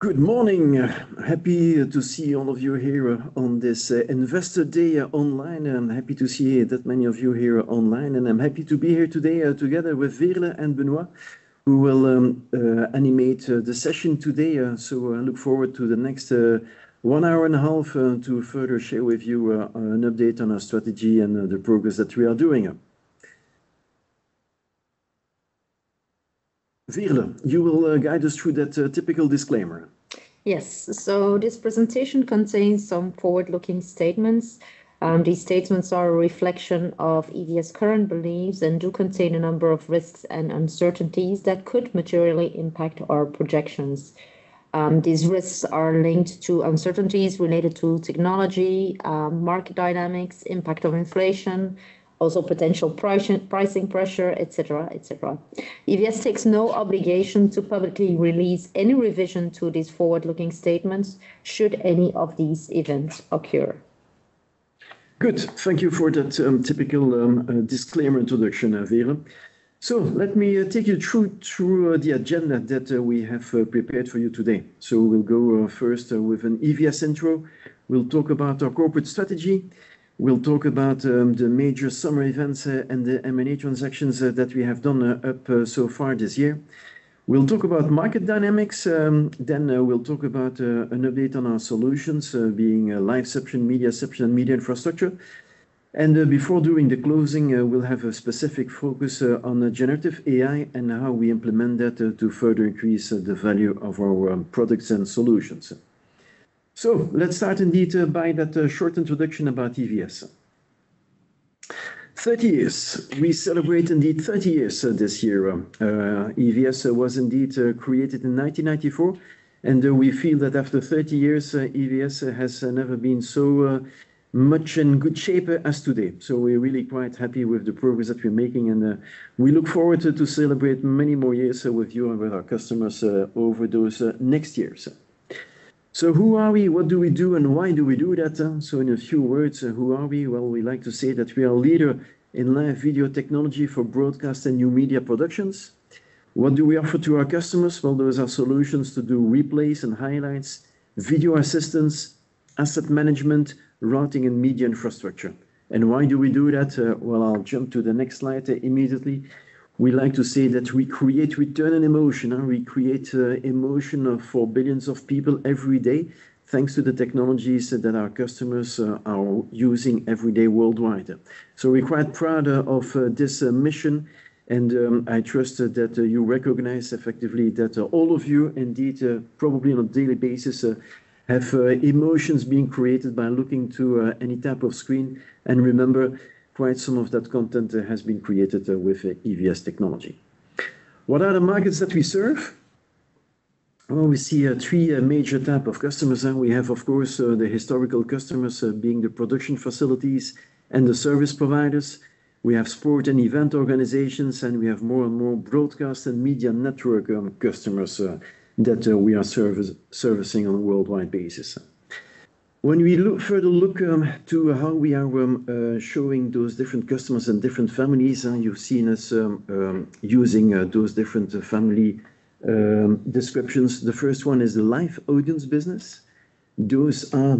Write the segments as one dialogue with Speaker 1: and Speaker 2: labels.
Speaker 1: Good morning. Happy to see all of you here on this Investor Day online, and happy to see that many of you here online. And I'm happy to be here today together with Veerle and Benoit, who will animate the session today. So I look forward to the next one hour and a half to further share with you an update on our strategy and the progress that we are doing. Veerle, you will guide us through that typical disclaimer.
Speaker 2: Yes. So this presentation contains some forward-looking statements. These statements are a reflection of EVS' current beliefs and do contain a number of risks and uncertainties that could materially impact our projections. These risks are linked to uncertainties related to technology, market dynamics, impact of inflation, also potential pricing pressure, et cetera, et cetera. EVS takes no obligation to publicly release any revision to these forward-looking statements should any of these events occur.
Speaker 1: Good. Thank you for that typical disclaimer introduction, Veerle. So let me take you through the agenda that we have prepared for you today. So we'll go first with an EVS intro. We'll talk about our corporate strategy. We'll talk about the major summer events and the M&A transactions that we have done up so far this year. We'll talk about market dynamics. Then we'll talk about an update on our solutions being LiveCeption, MediaCeption, and MediaInfra. And before doing the closing, we'll have a specific focus on generative AI and how we implement that to further increase the value of our products and solutions. So let's start indeed by that short introduction about EVS. 30 years. We celebrate indeed 30 years this year. EVS was indeed created in 1994, and we feel that after 30 years, EVS has never been so much in good shape as today. So we're really quite happy with the progress that we're making, and we look forward to celebrate many more years with you and with our customers over those next years. So who are we? What do we do? And why do we do that? So in a few words, who are we? Well, we like to say that we are a leader in live video technology for broadcast and new media productions. What do we offer to our customers? Well, those are solutions to do replays and highlights, video assistance, asset management, routing, and Media Infrastructure. And why do we do that? Well, I'll jump to the next slide immediately. We like to say that we create Return on Emotion. We create emotion for billions of people every day thanks to the technologies that our customers are using every day worldwide. So we're quite proud of this mission, and I trust that you recognize effectively that all of you indeed probably on a daily basis have emotions being created by looking to any type of screen. And remember, quite some of that content has been created with EVS technology. What are the markets that we serve? Well, we see three major types of customers. We have, of course, the historical customers being the production facilities and the service providers. We have sport and event organizations, and we have more and more broadcast and media network customers that we are servicing on a worldwide basis. When we further look to how we are showing those different customers and different families, you've seen us using those different family descriptions. The first one is the Live Audience Business. Those are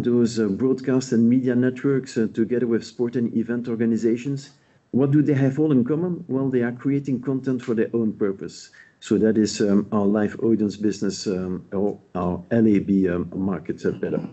Speaker 1: broadcast and media networks together with sport and event organizations. What do they have all in common? They are creating content for their own purpose. That is our Live Audience Business or our LAB market pillar.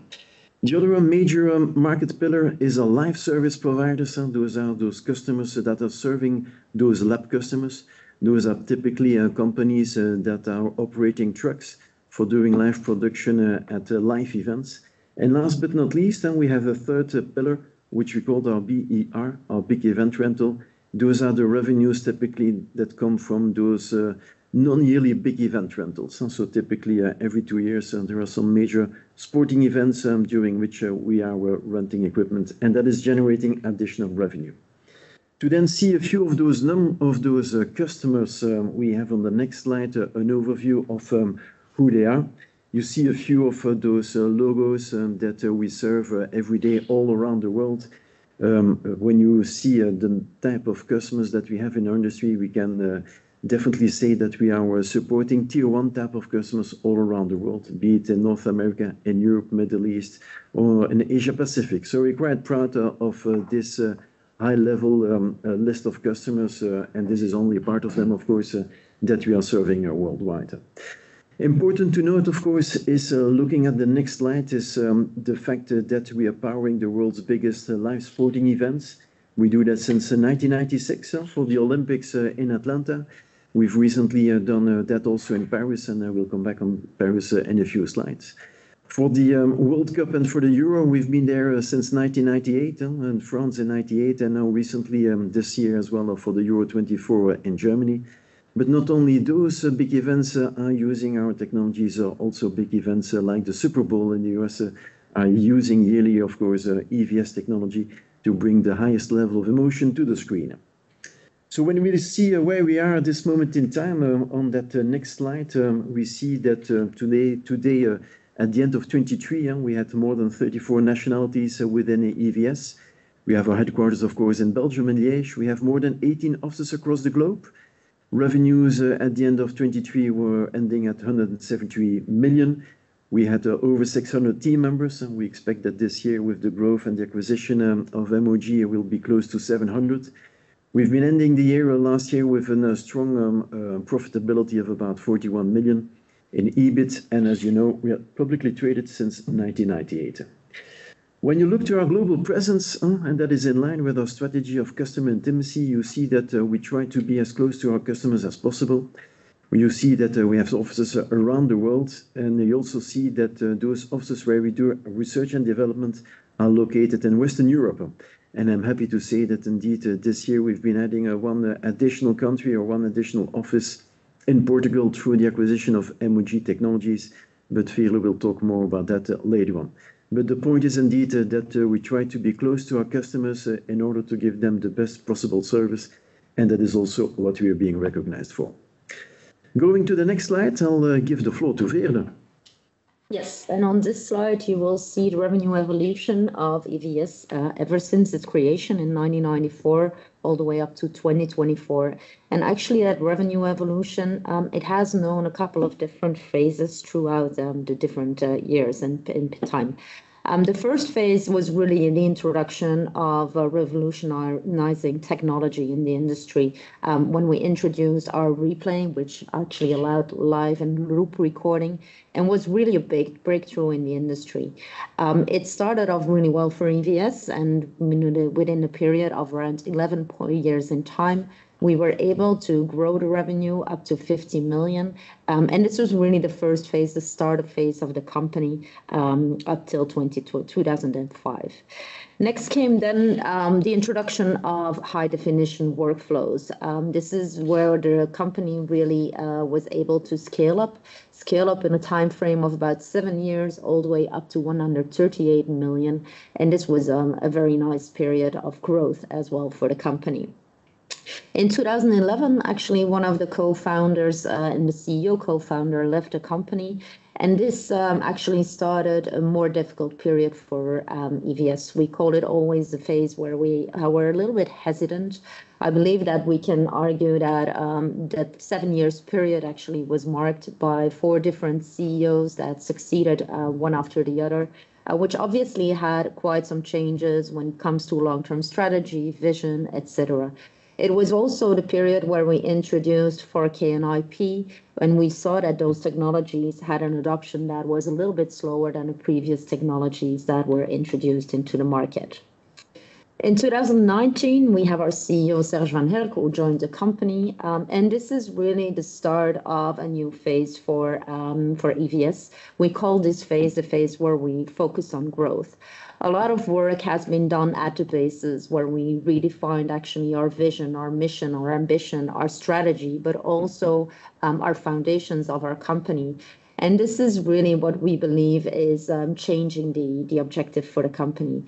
Speaker 1: The other major market pillar is our Live Service Providers. Those are customers that are serving those LAB customers. Those are typically companies that are operating trucks for doing live production at live events. Last but not least, we have a third pillar, which we call our BER, our Big Event Rental. Those are the revenues typically that come from those non-yearly Big Event rentals. Typically every two years, there are some major sporting events during which we are renting equipment, and that is generating additional revenue. To then see a few of those customers, we have on the next slide an overview of who they are. You see a few of those logos that we serve every day all around the world. When you see the type of customers that we have in our industry, we can definitely say that we are supporting tier one type of customers all around the world, be it in North America and Europe, Middle East, or in Asia-Pacific. So we're quite proud of this high-level list of customers, and this is only part of them, of course, that we are serving worldwide. Important to note, of course, looking at the next slide is the fact that we are powering the world's biggest live sporting events. We do that since 1996 for the Olympics in Atlanta. We've recently done that also in Paris, and we'll come back on Paris in a few slides. For the World Cup and for the Euro, we've been there since 1998 and France in 1998, and now recently this year as well for the Euro 2024 in Germany. But not only those big events are using our technologies, also big events like the Super Bowl in the U.S. are using yearly, of course, EVS technology to bring the highest level of emotion to the screen. So when we see where we are at this moment in TAM on that next slide, we see that today, at the end of 2023, we had more than 34 nationalities within EVS. We have our headquarters, of course, in Belgium and Liège. We have more than 18 offices across the globe. Revenues at the end of 2023 were ending at 170 million. We had over 600 team members, and we expect that this year with the growth and the acquisition of MOG, we'll be close to 700. We've been ending the year last year with a strong profitability of about 41 million in EBIT, and as you know, we are publicly traded since 1998. When you look to our global presence, and that is in line with our strategy of customer intimacy, you see that we try to be as close to our customers as possible. You see that we have offices around the world, and you also see that those offices where we do research and development are located in Western Europe. I'm happy to say that indeed this year we've been adding one additional country or one additional office in Portugal through the acquisition of MOG Technologies, but Veerle will talk more about that later on. But the point is indeed that we try to be close to our customers in order to give them the best possible service, and that is also what we are being recognized for. Going to the next slide, I'll give the floor to Veerle.
Speaker 2: Yes. On this slide, you will see the revenue evolution of EVS ever since its creation in 1994 all the way up to 2024. Actually, that revenue evolution, it has known a couple of different phases throughout the different years and time. The first phase was really in the introduction of revolutionizing technology in the industry when we introduced our replay, which actually allowed live and loop recording and was really a big breakthrough in the industry. It started off really well for EVS, and within a period of around 11 years in time, we were able to grow the revenue up to 50 million. This was really the first phase, the startup phase of the company up till 2005. Next came the introduction of high-definition workflows. This is where the company really was able to scale up, scale up in a timeframe of about seven years all the way up to 138 million, and this was a very nice period of growth as well for the company. In 2011, actually, one of the co-founders and the CEO co-founder left the company, and this actually started a more difficult period for EVS. We call it always the phase where we were a little bit hesitant. I believe that we can argue that that seven-year period actually was marked by four different CEOs that succeeded one after the other, which obviously had quite some changes when it comes to long-term strategy, vision, et cetera. It was also the period where we introduced 4K and IP when we saw that those technologies had an adoption that was a little bit slower than the previous technologies that were introduced into the market. In 2019, we have our CEO, Serge Van Herck, who joined the company, and this is really the start of a new phase for EVS. We call this phase the phase where we focus on growth. A lot of work has been done at the basis where we redefined actually our vision, our mission, our ambition, our strategy, but also our foundations of our company, and this is really what we believe is changing the objective for the company.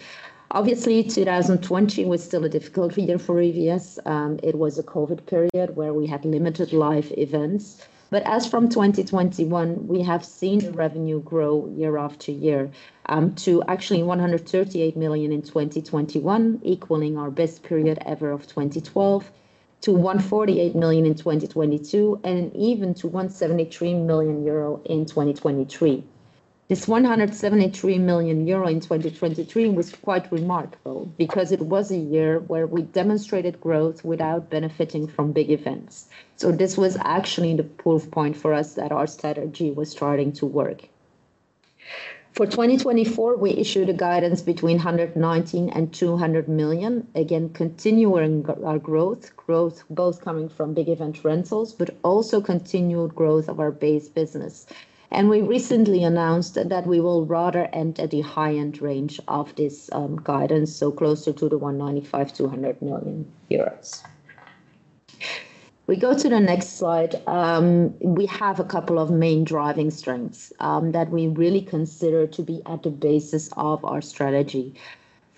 Speaker 2: Obviously, 2020 was still a difficult year for EVS. It was a COVID period where we had limited live events. But as from 2021, we have seen the revenue grow year after year to actually 138 million in 2021, equaling our best period ever of 2012 to 148 million in 2022, and even to 173 million euro in 2023. This 173 million euro in 2023 was quite remarkable because it was a year where we demonstrated growth without benefiting from big events. So this was actually the proof point for us that our strategy was starting to work. For 2024, we issued a guidance between 119 million and 200 million, again, continuing our growth, growth both coming from big event rentals, but also continued growth of our base business. And we recently announced that we will rather enter the high-end range of this guidance, so closer to the 195-200 million euros. We go to the next slide. We have a couple of main driving strengths that we really consider to be at the basis of our strategy.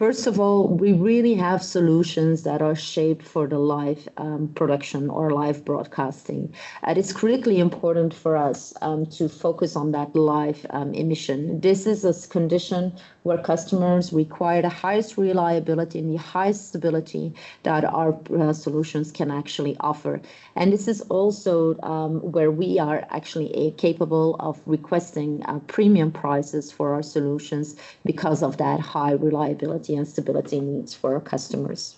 Speaker 2: First of all, we really have solutions that are shaped for the live production or live broadcasting. It is critically important for us to focus on that live emission. This is a condition where customers require the highest reliability and the highest stability that our solutions can actually offer. And this is also where we are actually capable of requesting premium prices for our solutions because of that high reliability and stability needs for our customers.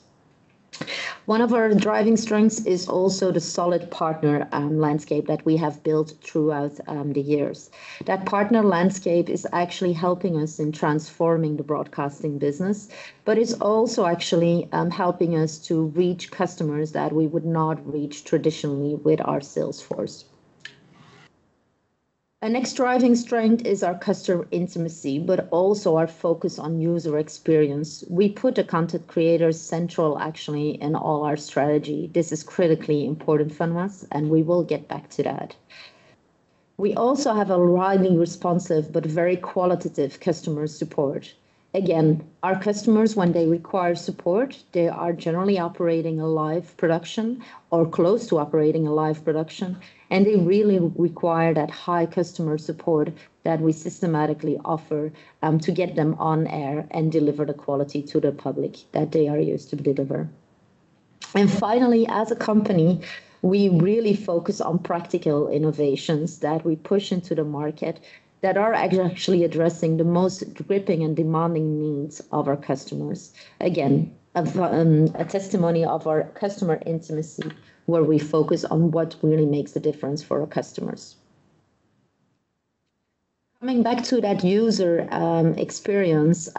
Speaker 2: One of our driving strengths is also the solid partner landscape that we have built throughout the years. That partner landscape is actually helping us in transforming the broadcasting business, but it's also actually helping us to reach customers that we would not reach traditionally with our sales force. Another driving strength is our customer intimacy, but also our focus on user experience. We put the content creator at the center actually in all our strategy. This is critically important for us, and we will get back to that. We also have a lively, responsive, but very quality customer support. Again, our customers, when they require support, they are generally operating a live production or close to operating a live production, and they really require that high customer support that we systematically offer to get them on air and deliver the quality to the public that they are used to deliver. Finally, as a company, we really focus on practical innovations that we push into the market that are actually addressing the most gripping and demanding needs of our customers. Again, a testimony of our customer intimacy where we focus on what really makes the difference for our customers. Coming back to that user experience,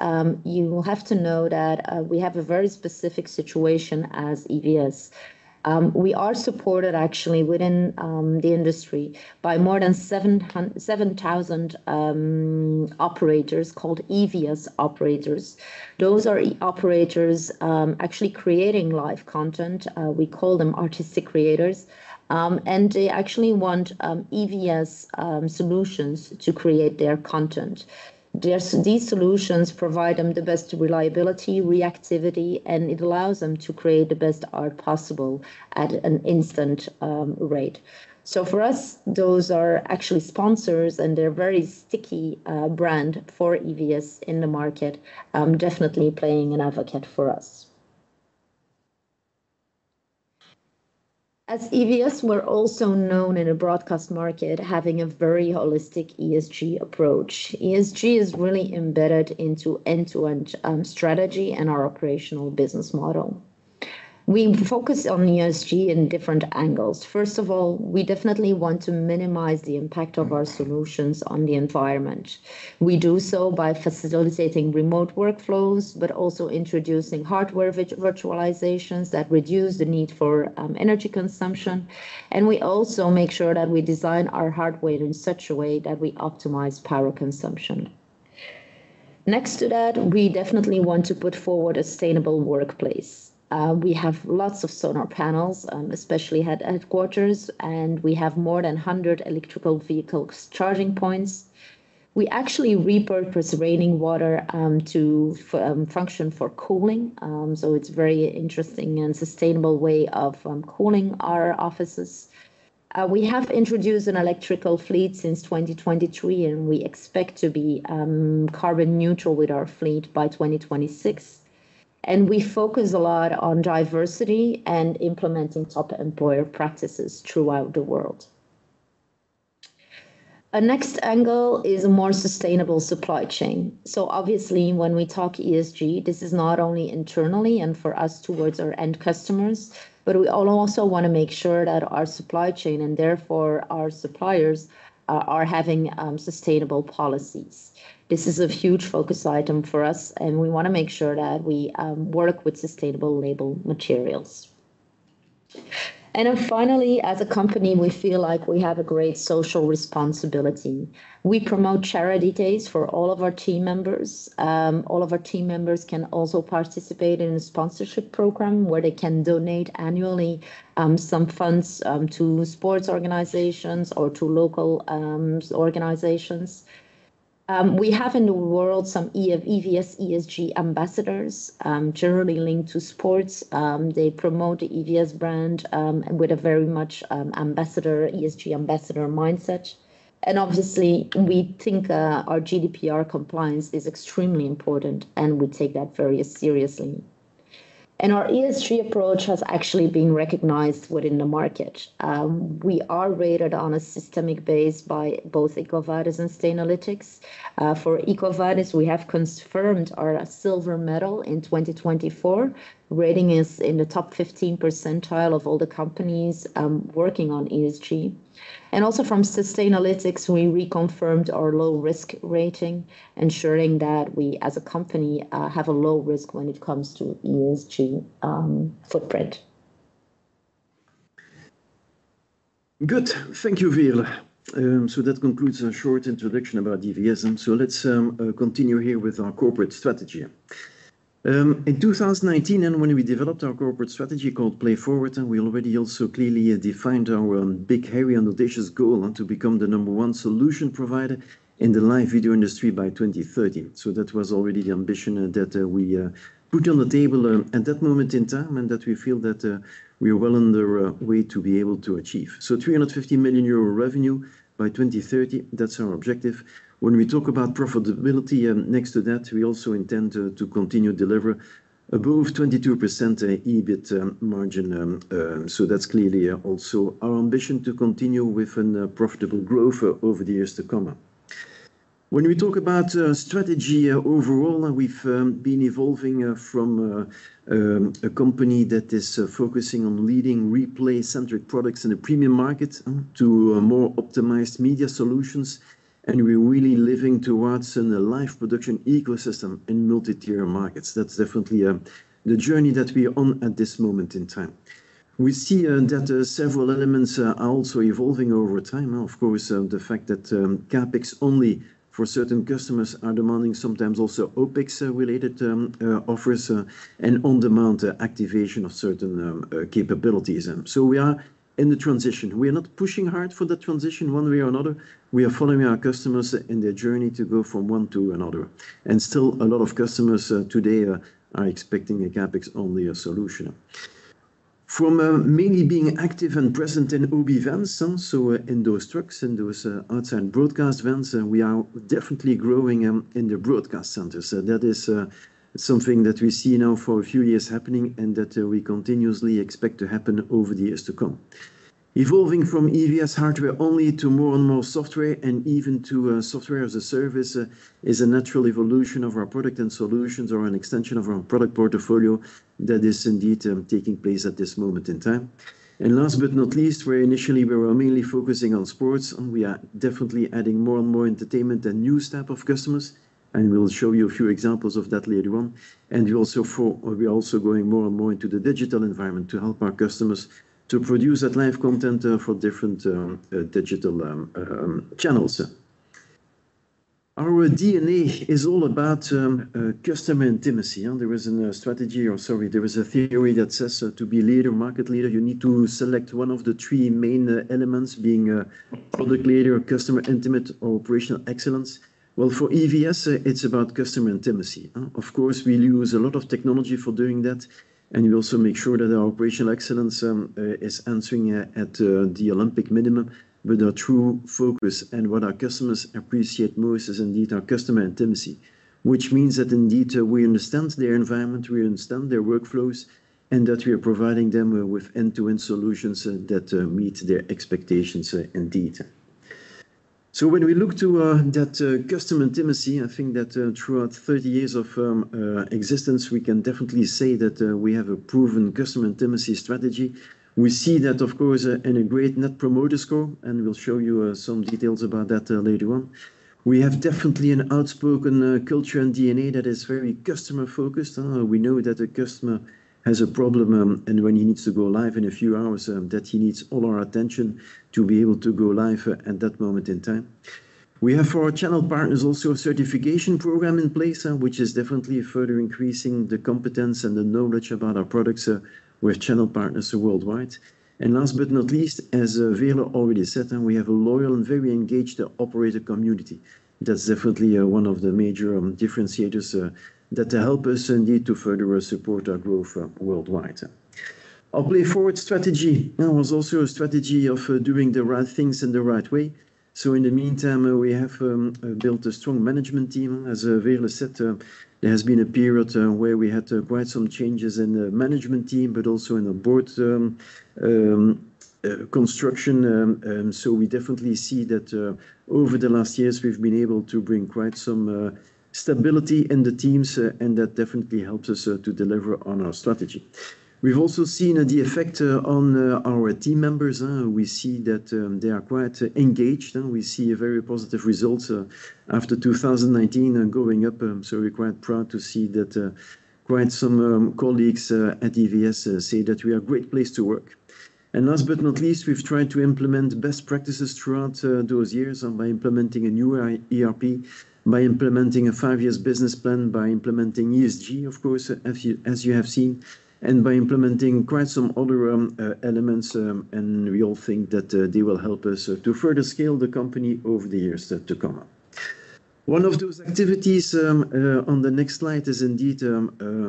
Speaker 2: you will have to know that we have a very specific situation as EVS. We are supported actually within the industry by more than 7,000 operators called EVS operators. Those are operators actually creating live content. We call them artistic creators, and they actually want EVS solutions to create their content. These solutions provide them the best reliability, reactivity, and it allows them to create the best art possible at an instant rate. So for us, those are actually sponsors, and they're a very sticky brand for EVS in the market, definitely playing an advocate for us. As EVS, we're also known in a broadcast market as having a very holistic ESG approach. ESG is really embedded into end-to-end strategy and our operational business model. We focus on ESG in different angles. First of all, we definitely want to minimize the impact of our solutions on the environment. We do so by facilitating remote workflows, but also introducing hardware virtualizations that reduce the need for energy consumption, and we also make sure that we design our hardware in such a way that we optimize power consumption. Next to that, we definitely want to put forward a sustainable workplace. We have lots of solar panels, especially headquarters, and we have more than 100 electric vehicle charging points. We actually repurpose rainwater to function for cooling, so it's a very interesting and sustainable way of cooling our offices. We have introduced an electric fleet since 2023, and we expect to be carbon neutral with our fleet by 2026, and we focus a lot on diversity and implementing top employer practices throughout the world. A next angle is a more sustainable supply chain. Obviously, when we talk ESG, this is not only internally and for us towards our end customers, but we also want to make sure that our supply chain and therefore our suppliers are having sustainable policies. This is a huge focus item for us, and we want to make sure that we work with sustainable label materials. Finally, as a company, we feel like we have a great social responsibility. We promote charity days for all of our team members. All of our team members can also participate in a sponsorship program where they can donate annually some funds to sports organizations or to local organizations. We have in the world some EVS ESG ambassadors generally linked to sports. They promote the EVS brand with a very much ESG ambassador mindset. Obviously, we think our GDPR compliance is extremely important, and we take that very seriously. Our ESG approach has actually been recognized within the market. We are rated on a systematic basis by both EcoVadis and Sustainalytics. For EcoVadis, we have confirmed our silver medal in 2024. Rating is in the top 15th percentile of all the companies working on ESG. Also from Sustainalytics, we reconfirmed our low risk rating, ensuring that we as a company have a low risk when it comes to ESG footprint.
Speaker 1: Good. Thank you, Veerle. So that concludes a short introduction about EVS. And so let's continue here with our corporate strategy. In 2019, and when we developed our corporate strategy called PlayForward, and we already also clearly defined our big, hairy, and audacious goal to become the number one solution provider in the live video industry by 2030. So that was already the ambition that we put on the table at that moment in time and that we feel that we are well on the way to be able to achieve. So 350 million euro revenue by 2030, that's our objective. When we talk about profitability, next to that, we also intend to continue to deliver above 22% EBIT margin. So that's clearly also our ambition to continue with profitable growth over the years to come. When we talk about strategy overall, we've been evolving from a company that is focusing on leading replay-centric products in a premium market to more optimized media solutions. And we're really living towards a live production ecosystem in multi-tier markets. That's definitely the journey that we are on at this moment in time. We see that several elements are also evolving over time. Of course, the fact that CapEx only for certain customers are demanding sometimes also OpEx-related offers and on-demand activation of certain capabilities. So we are in the transition. We are not pushing hard for the transition one way or another. We are following our customers in their journey to go from one to another. And still a lot of customers today are expecting a CapEx-only solution. From mainly being active and present in OB vans, so in those trucks, in those outside broadcast vans, we are definitely growing in the broadcast centers. That is something that we see now for a few years happening and that we continuously expect to happen over the years to come. Evolving from EVS hardware only to more and more software and even to software as a service is a natural evolution of our product and solutions or an extension of our product portfolio that is indeed taking place at this moment in time. And last but not least, where initially we were mainly focusing on sports, we are definitely adding more and more entertainment and news type of customers. And we'll show you a few examples of that later on. We're also going more and more into the digital environment to help our customers to produce that live content for different digital channels. Our DNA is all about customer intimacy. There is a strategy or sorry, there is a theory that says to be a leader market leader, you need to select one of the three main elements being product leader, customer intimate, or operational excellence. For EVS, it's about customer intimacy. Of course, we use a lot of technology for doing that. We also make sure that our operational excellence is answering at the Olympic minimum with our true focus. What our customers appreciate most is indeed our customer intimacy, which means that indeed we understand their environment, we understand their workflows, and that we are providing them with end-to-end solutions that meet their expectations indeed. So when we look to that customer intimacy, I think that throughout 30 years of existence, we can definitely say that we have a proven customer intimacy strategy. We see that, of course, in a great Net Promoter Score, and we'll show you some details about that later on. We have definitely an outspoken culture and DNA that is very customer-focused. We know that a customer has a problem and when he needs to go live in a few hours, that he needs all our attention to be able to go live at that moment in time. We have for our channel partners also a certification program in place, which is definitely further increasing the competence and the knowledge about our products with channel partners worldwide. And last but not least, as Veerle already said, we have a loyal and very engaged operator community. That's definitely one of the major differentiators that help us indeed to further support our growth worldwide. Our PlayForward strategy was also a strategy of doing the right things in the right way. So in the meantime, we have built a strong management team. As Veerle said, there has been a period where we had quite some changes in the management team, but also in the board construction. So we definitely see that over the last years, we've been able to bring quite some stability in the teams, and that definitely helps us to deliver on our strategy. We've also seen the effect on our team members. We see that they are quite engaged. We see very positive results after 2019 going up. So we're quite proud to see that quite some colleagues at EVS say that we are a great place to work. And last but not least, we've tried to implement best practices throughout those years by implementing a new ERP, by implementing a five-year business plan, by implementing ESG, of course, as you have seen, and by implementing quite some other elements. And we all think that they will help us to further scale the company over the years to come. One of those activities on the next slide is indeed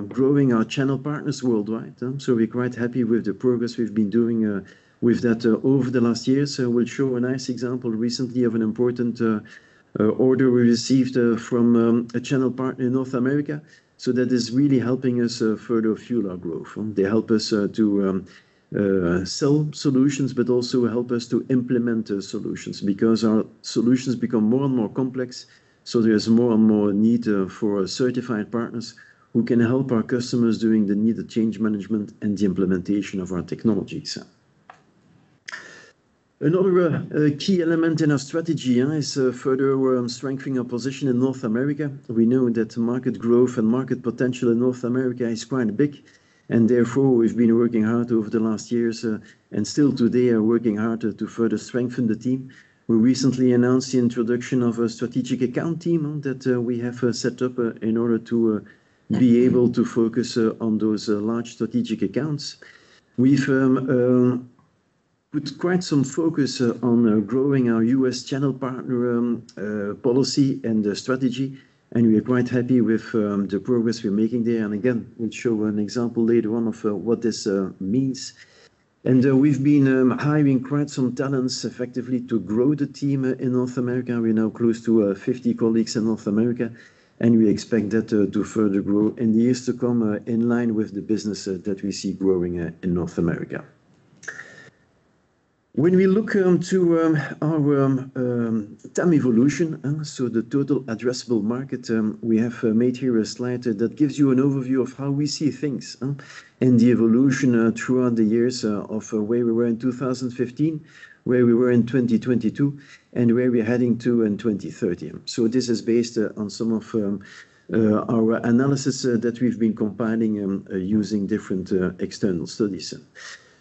Speaker 1: growing our channel partners worldwide. So we're quite happy with the progress we've been doing with that over the last years. We'll show a nice example recently of an important order we received from a channel partner in North America. So that is really helping us further fuel our growth. They help us to sell solutions, but also help us to implement solutions because our solutions become more and more complex. There's more and more need for certified partners who can help our customers doing the needed change management and the implementation of our technologies. Another key element in our strategy is further strengthening our position in North America. We know that market growth and market potential in North America is quite big. And therefore, we've been working hard over the last years and still today are working hard to further strengthen the team. We recently announced the introduction of a strategic account team that we have set up in order to be able to focus on those large strategic accounts. We've put quite some focus on growing our U.S. channel partner policy and strategy, and we are quite happy with the progress we're making there. And again, we'll show an example later on of what this means. We've been hiring quite some talents effectively to grow the team in North America. We're now close to 50 colleagues in North America, and we expect that to further grow in the years to come in line with the business that we see growing in North America. When we look to our time evolution, so the total addressable market, we have made here a slide that gives you an overview of how we see things and the evolution throughout the years of where we were in 2015, where we were in 2022, and where we're heading to in 2030. This is based on some of our analysis that we've been compiling using different external studies.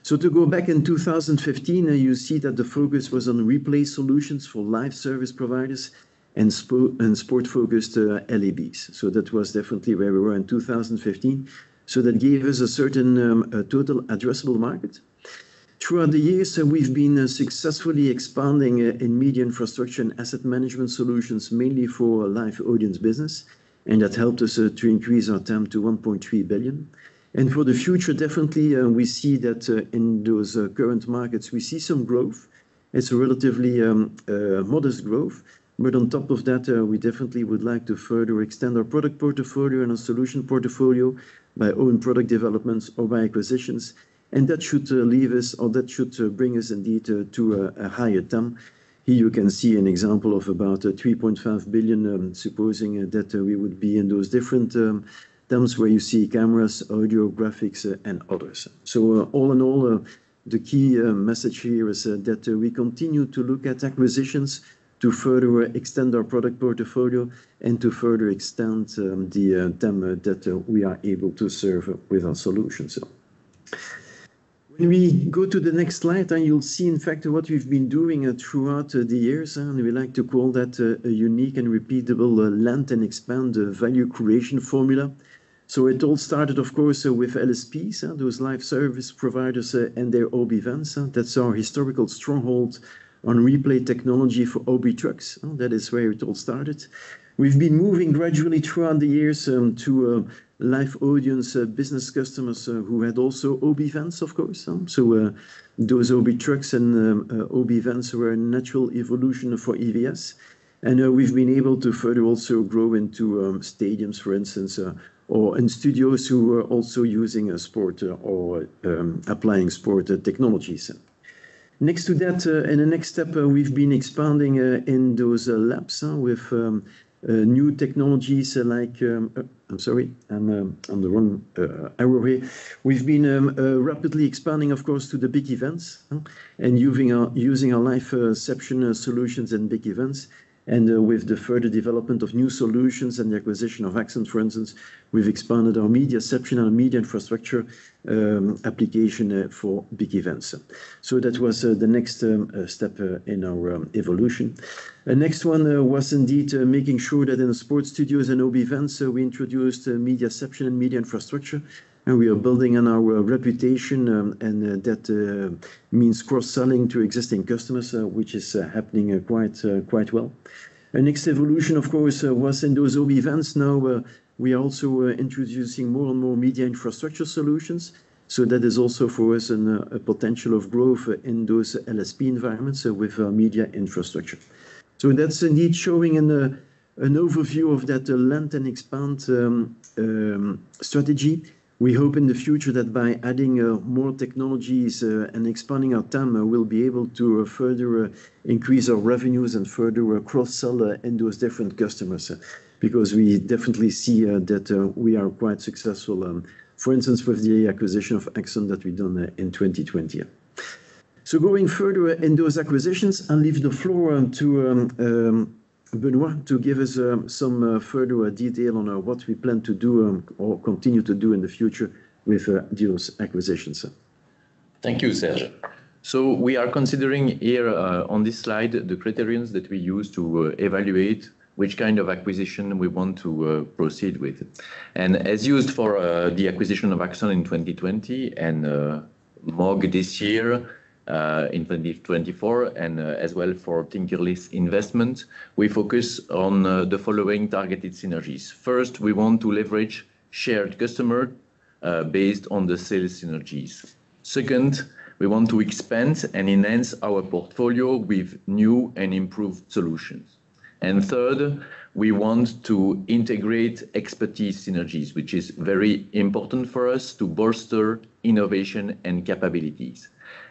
Speaker 1: To go back in 2015, you see that the focus was on replay solutions for Live Service Providers and sport-focused LABs. That was definitely where we were in 2015. So that gave us a certain total addressable market. Throughout the years, we've been successfully expanding in Media Infrastructure and asset management solutions, mainly for live audience business. And that helped us to increase our TAM to 1.3 billion. And for the future, definitely, we see that in those current markets, we see some growth. It's a relatively modest growth. But on top of that, we definitely would like to further extend our product portfolio and our solution portfolio by own product developments or by acquisitions. And that should leave us, or that should bring us indeed to a higher TAM. Here you can see an example of about 3.5 billion, supposing that we would be in those different TAMs where you see cameras, audio graphics, and others. So all in all, the key message here is that we continue to look at acquisitions to further extend our product portfolio and to further extend the time that we are able to serve with our solutions. When we go to the next slide, you'll see in fact what we've been doing throughout the years. And we like to call that a unique and repeatable land and expand value creation formula. So it all started, of course, with LSPs, those Live Service Providers and their OB vans. That's our historical stronghold on replay technology for OB trucks. That is where it all started. We've been moving gradually throughout the years to Live Audience Business customers who had also OB vans, of course. So those OB trucks and OB vans were a natural evolution for EVS. And we've been able to further also grow into stadiums, for instance, or in studios who are also using this sort or applying sport technologies. Next to that, in the next step, we've been expanding in those labs with new technologies like, I'm sorry, I'm the wrong arrow here. We've been rapidly expanding, of course, to the big events and using our LiveCeption solutions and big events. And with the further development of new solutions and the acquisition of MOG, for instance, we've expanded our MediaCeption and MediaInfra application for big events. So that was the next step in our evolution. The next one was indeed making sure that in the sports studios and OB events, we introduced MediaCeption and MediaInfra. And we are building on our reputation, and that means cross-selling to existing customers, which is happening quite well. Our next evolution, of course, was in those OB events. Now we are also introducing more and more Media Infrastructure solutions. So that is also for us a potential of growth in those LSP environments with Media Infrastructure. So that's indeed showing an overview of that land and expand strategy. We hope in the future that by adding more technologies and expanding our team, we'll be able to further increase our revenues and further cross-sell in those different customers because we definitely see that we are quite successful, for instance, with the acquisition of Axon that we've done in 2020. So going further in those acquisitions, I'll leave the floor to Benoit to give us some further detail on what we plan to do or continue to do in the future with those acquisitions. Thank you, Serge. So we are considering here on this slide the criteria that we use to evaluate which kind of acquisition we want to proceed with. And as used for the acquisition of Axon in 2020 and MOG this year in 2024, and as well for TinkerList investment, we focus on the following targeted synergies. First, we want to leverage shared customer base based on the sales synergies. Second, we want to expand and enhance our portfolio with new and improved solutions. And third, we want to integrate expertise synergies, which is very important for us to bolster innovation and capabilities.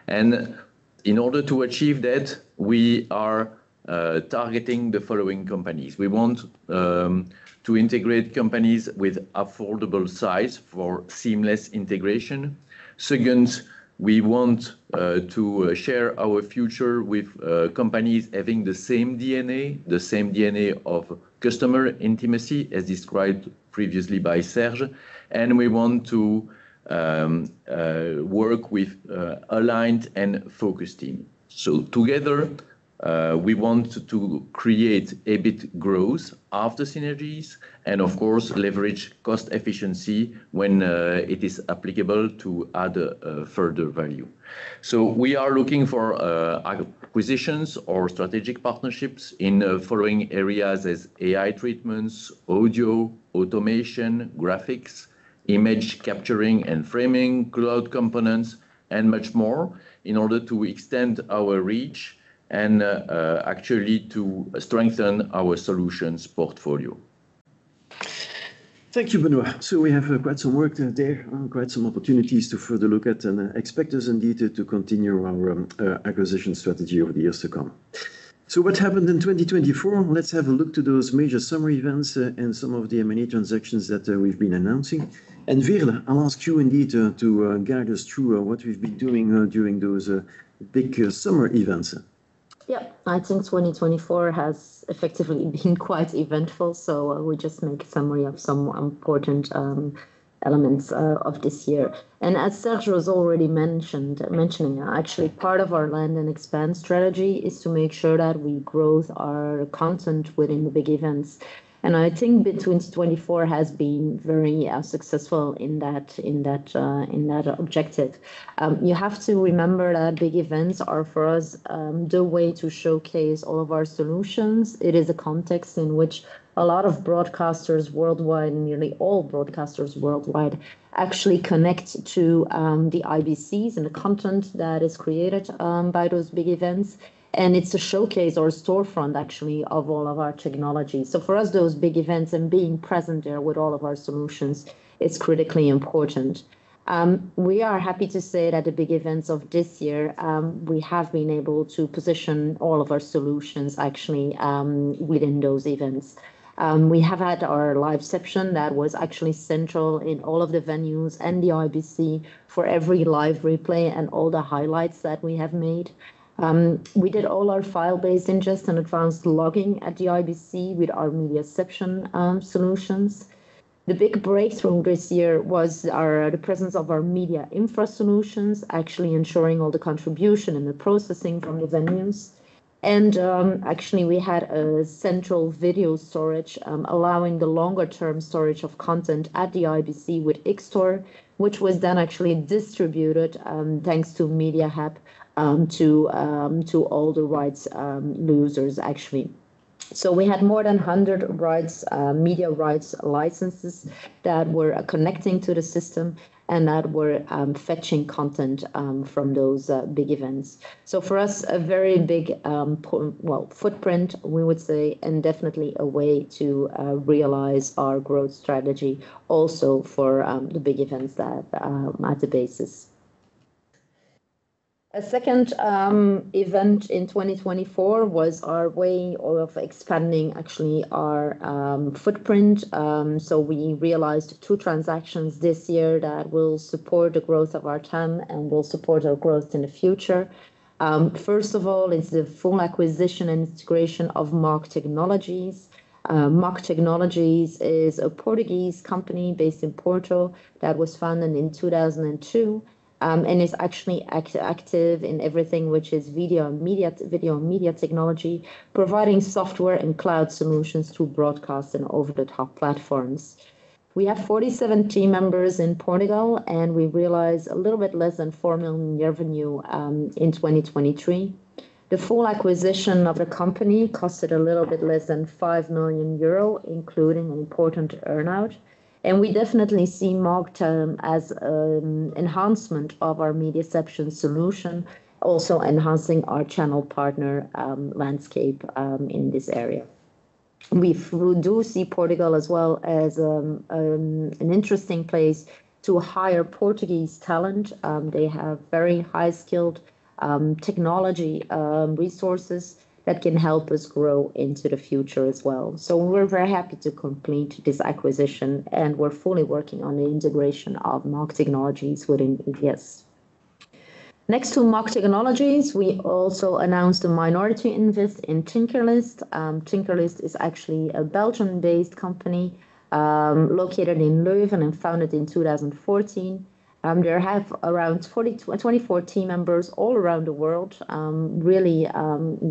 Speaker 1: And in order to achieve that, we are targeting the following companies. We want to integrate companies with affordable size for seamless integration. Second, we want to share our future with companies having the same DNA, the same DNA of customer intimacy as described previously by Serge. And we want to work with aligned and focused teams. So together, we want to create a big growth after synergies and, of course, leverage cost efficiency when it is applicable to add further value. So we are looking for acquisitions or strategic partnerships in following areas as AI treatments, audio, automation, graphics, image capturing and framing, cloud components, and much more in order to extend our reach and actually to strengthen our solutions portfolio. Thank you, Benoit. So we have quite some work there, quite some opportunities to further look at and expect us indeed to continue our acquisition strategy over the years to come. So what happened in 2024? Let's have a look at those major summer events and some of the M&A transactions that we've been announcing. And Veerle, I'll ask you indeed to guide us through what we've been doing during those big summer events. Yep, I think 2024 has effectively been quite eventful, so we'll just make a summary of some important elements of this year, and as Serge was already mentioning, actually part of our land and expand strategy is to make sure that we grow our content within the big events. I think Euro 2024 has been very successful in that objective. You have to remember that big events are for us the way to showcase all of our solutions. It is a context in which a lot of broadcasters worldwide, nearly all broadcasters worldwide, actually connect to the IBCs and the content that is created by those big events, and it's a showcase or a storefront actually of all of our technologies, so for us, those big events and being present there with all of our solutions is critically important. We are happy to say that at the big events of this year, we have been able to position all of our solutions actually within those events. We have had our LiveCeption that was actually central in all of the venues and the IBC for every live replay and all the highlights that we have made. We did all our file-based ingest and advanced logging at the IBC with our MediaCeption solutions. The big breakthrough this year was the presence of our MediaInfra solutions, actually ensuring all the contribution and the processing from the venues. And actually, we had a central video storage allowing the longer-term storage of content at the IBC with XStore, which was then actually distributed thanks to MediaHub to all the rights holders actually. So we had more than 100 rights, media rights licenses that were connecting to the system and that were fetching content from those big events. So for us, a very big, well, footprint, we would say, and definitely a way to realize our growth strategy also for the big events that are at the basis. A second event in 2024 was our way of expanding actually our footprint. So we realized two transactions this year that will support the growth of our time and will support our growth in the future. First of all, it's the full acquisition and integration of MOG Technologies. MOG Technologies is a Portuguese company based in Porto that was founded in 2002 and is actually active in everything which is video and media technology, providing software and cloud solutions to broadcast and over-the-top platforms. We have 47 team members in Portugal, and we realized a little bit less than 4 million revenue in 2023. The full acquisition of the company cost a little bit less than 5 million euro, including an important earnout. And we definitely see MOG as an enhancement of our MediaCeption solution, also enhancing our channel partner landscape in this area. We do see Portugal as well as an interesting place to hire Portuguese talent. They have very high-skilled technology resources that can help us grow into the future as well. So we're very happy to complete this acquisition, and we're fully working on the integration of MOG Technologies within EVS. Next to MOG Technologies, we also announced a minority investment in TinkerList. TinkerList is actually a Belgian-based company located in Leuven and founded in 2014. They have around 24 team members all around the world, really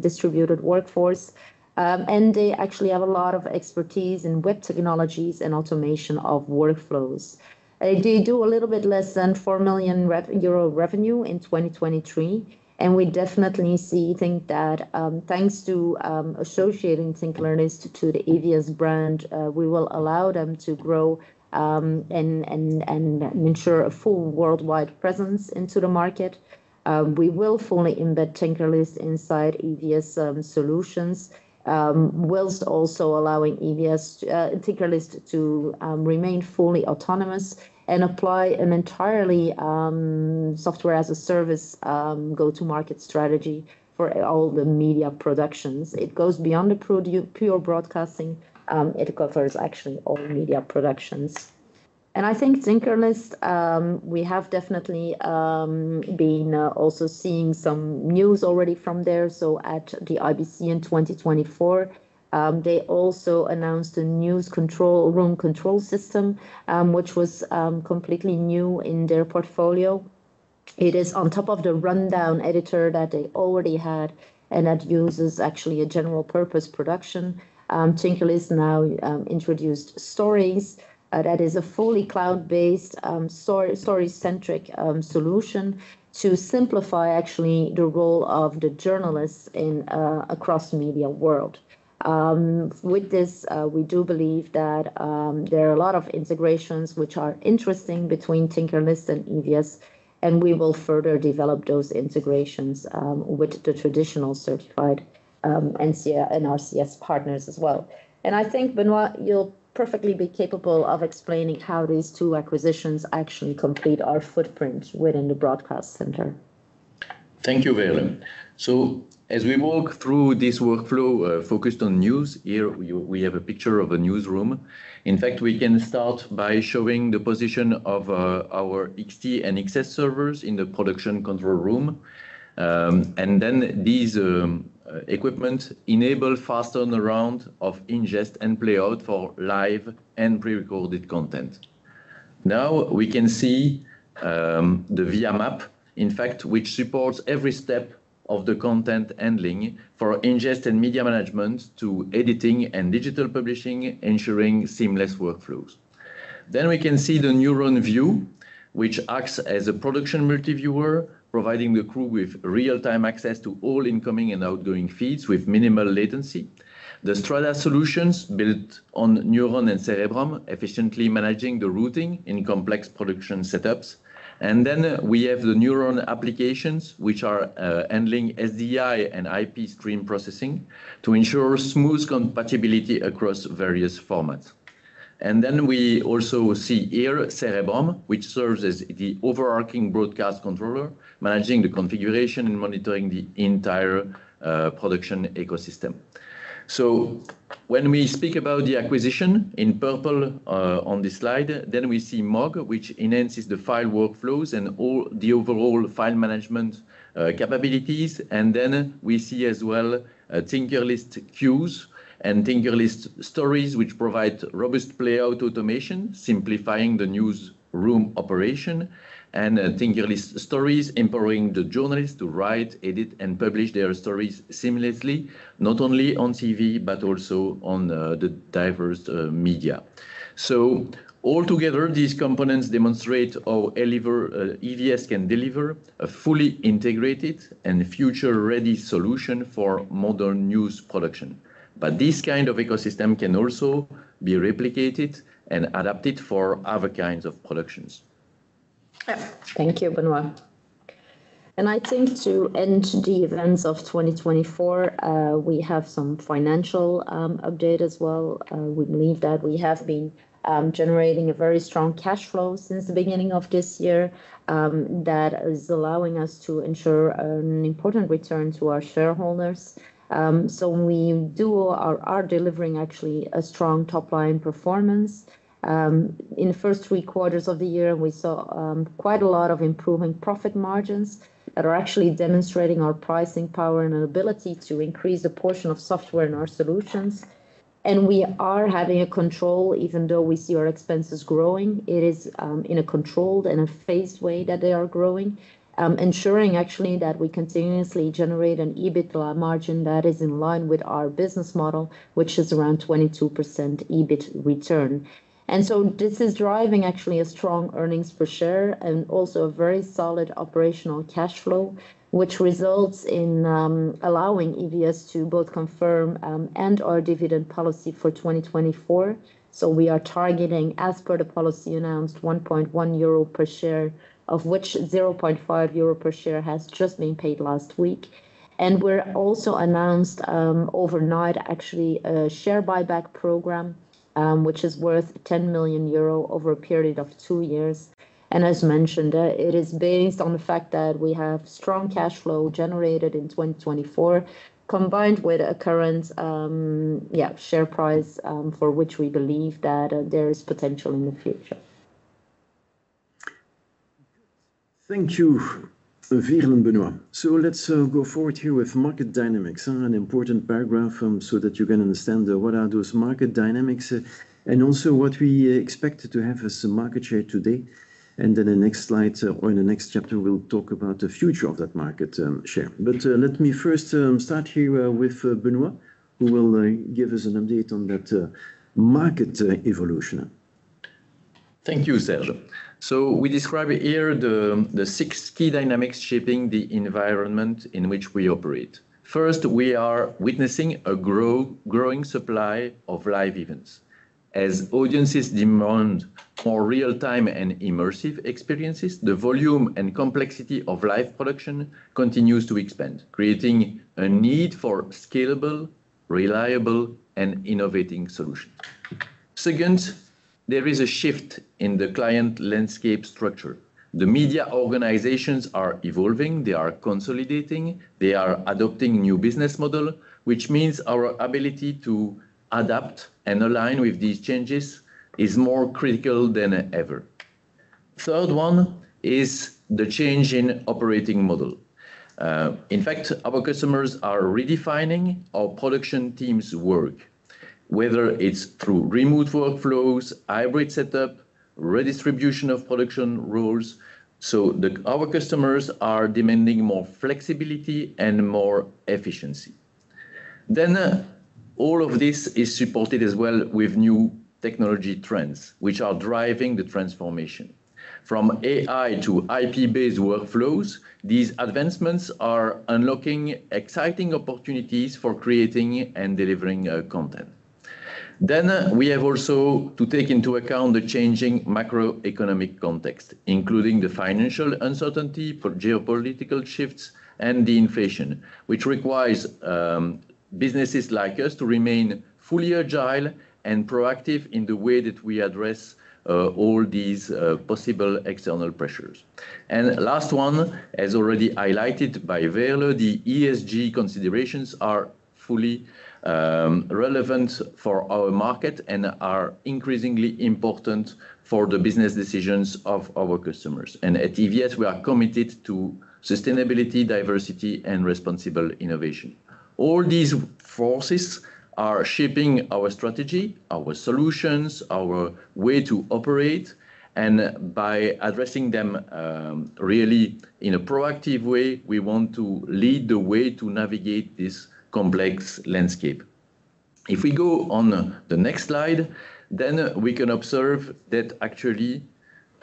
Speaker 1: distributed workforce. They actually have a lot of expertise in web technologies and automation of workflows. They do a little bit less than 4 million euro revenue in 2023. We definitely think that thanks to associating TinkerList to the EVS brand, we will allow them to grow and ensure a full worldwide presence into the market. We will fully embed TinkerList inside EVS solutions, whilst also allowing TinkerList to remain fully autonomous and apply an entirely software as a service go-to-market strategy for all the media productions. It goes beyond the pure broadcasting. It covers actually all media productions. I think TinkerList; we have definitely been also seeing some news already from there. At the IBC in 2024, they also announced a new control room control system, which was completely new in their portfolio. It is on top of the rundown editor that they already had and that uses actually a general-purpose production. TinkerList now introduced Stories. That is a fully cloud-based story-centric solution to simplify actually the role of the journalists across the media world. With this, we do believe that there are a lot of integrations which are interesting between TinkerList and EVS, and we will further develop those integrations with the traditional certified NCR and NRCS partners as well. And I think, Benoit, you'll perfectly be capable of explaining how these two acquisitions actually complete our footprint within the broadcast center. Thank you, Veerle. So as we walk through this workflow focused on news here, we have a picture of a newsroom. In fact, we can start by showing the position of our XT and XS servers in the production control room. These equipment enable fast turnaround of ingest and playout for live and prerecorded content. Now we can see the VIA MAM, in fact, which supports every step of the content handling for ingest and media management to editing and digital publishing, ensuring seamless workflows. We can see the Neuron View, which acts as a production multiviewer, providing the crew with real-time access to all incoming and outgoing feeds with minimal latency. The Strada solutions built on Neuron and Cerebrum efficiently managing the routing in complex production setups. We have the Neuron applications, which are handling SDI and IP stream processing to ensure smooth compatibility across various formats. We also see here Cerebrum, which serves as the overarching broadcast controller, managing the configuration and monitoring the entire production ecosystem. So when we speak about the acquisition in purple on this slide, then we see MOG, which enhances the file workflows and all the overall file management capabilities, and then we see as well TinkerList CUE and TinkerList Stories, which provide robust playout automation, simplifying the newsroom operation, and TinkerList Stories empowering the journalists to write, edit, and publish their stories seamlessly, not only on TV, but also on the diverse media, so altogether, these components demonstrate how EVS can deliver a fully integrated and future-ready solution for modern news production, but this kind of ecosystem can also be replicated and adapted for other kinds of productions. Thank you, Benoit, and I think to end the events of 2024, we have some financial update as well. We believe that we have been generating a very strong cash flow since the beginning of this year that is allowing us to ensure an important return to our shareholders, so we are delivering actually a strong top-line performance. In the first three quarters of the year, we saw quite a lot of improving profit margins that are actually demonstrating our pricing power and ability to increase the portion of software in our solutions, and we have control even though we see our expenses growing. It is in a controlled and phased way that they are growing, ensuring actually that we continuously generate an EBITDA margin that is in line with our business model, which is around 22% EBIT return. This is driving actually a strong earnings per share and also a very solid operational cash flow, which results in allowing EVS to both confirm our dividend policy for 2024. We are targeting, as per the policy announced, 1.1 euro per share, of which 0.5 euro per share has just been paid last week. We also announced overnight actually a share buyback program, which is worth 10 million euro over a period of two years. As mentioned, it is based on the fact that we have strong cash flow generated in 2024, combined with a current share price for which we believe that there is potential in the future. Thank you, Veerle and Benoit. So let's go forward here with market dynamics, an important paragraph so that you can understand what are those market dynamics and also what we expect to have as a market share today. And then the next slide or in the next chapter, we'll talk about the future of that market share. But let me first start here with Benoit, who will give us an update on that market evolution. Thank you, Serge. So we describe here the six key dynamics shaping the environment in which we operate. First, we are witnessing a growing supply of live events. As audiences demand more real-time and immersive experiences, the volume and complexity of live production continues to expand, creating a need for scalable, reliable, and innovating solutions. Second, there is a shift in the client landscape structure. The media organizations are evolving. They are consolidating. They are adopting new business models, which means our ability to adapt and align with these changes is more critical than ever. Third one is the change in operating model. In fact, our customers are redefining our production team's work, whether it's through remote workflows, hybrid setup, redistribution of production roles. So our customers are demanding more flexibility and more efficiency. Then all of this is supported as well with new technology trends, which are driving the transformation. From AI to IP-based workflows, these advancements are unlocking exciting opportunities for creating and delivering content. Then we have also to take into account the changing macroeconomic context, including the financial uncertainty for geopolitical shifts and the inflation, which requires businesses like us to remain fully agile and proactive in the way that we address all these possible external pressures. And last one, as already highlighted by Veerle, the ESG considerations are fully relevant for our market and are increasingly important for the business decisions of our customers. And at EVS, we are committed to sustainability, diversity, and responsible innovation. All these forces are shaping our strategy, our solutions, our way to operate. And by addressing them really in a proactive way, we want to lead the way to navigate this complex landscape. If we go on the next slide, then we can observe that actually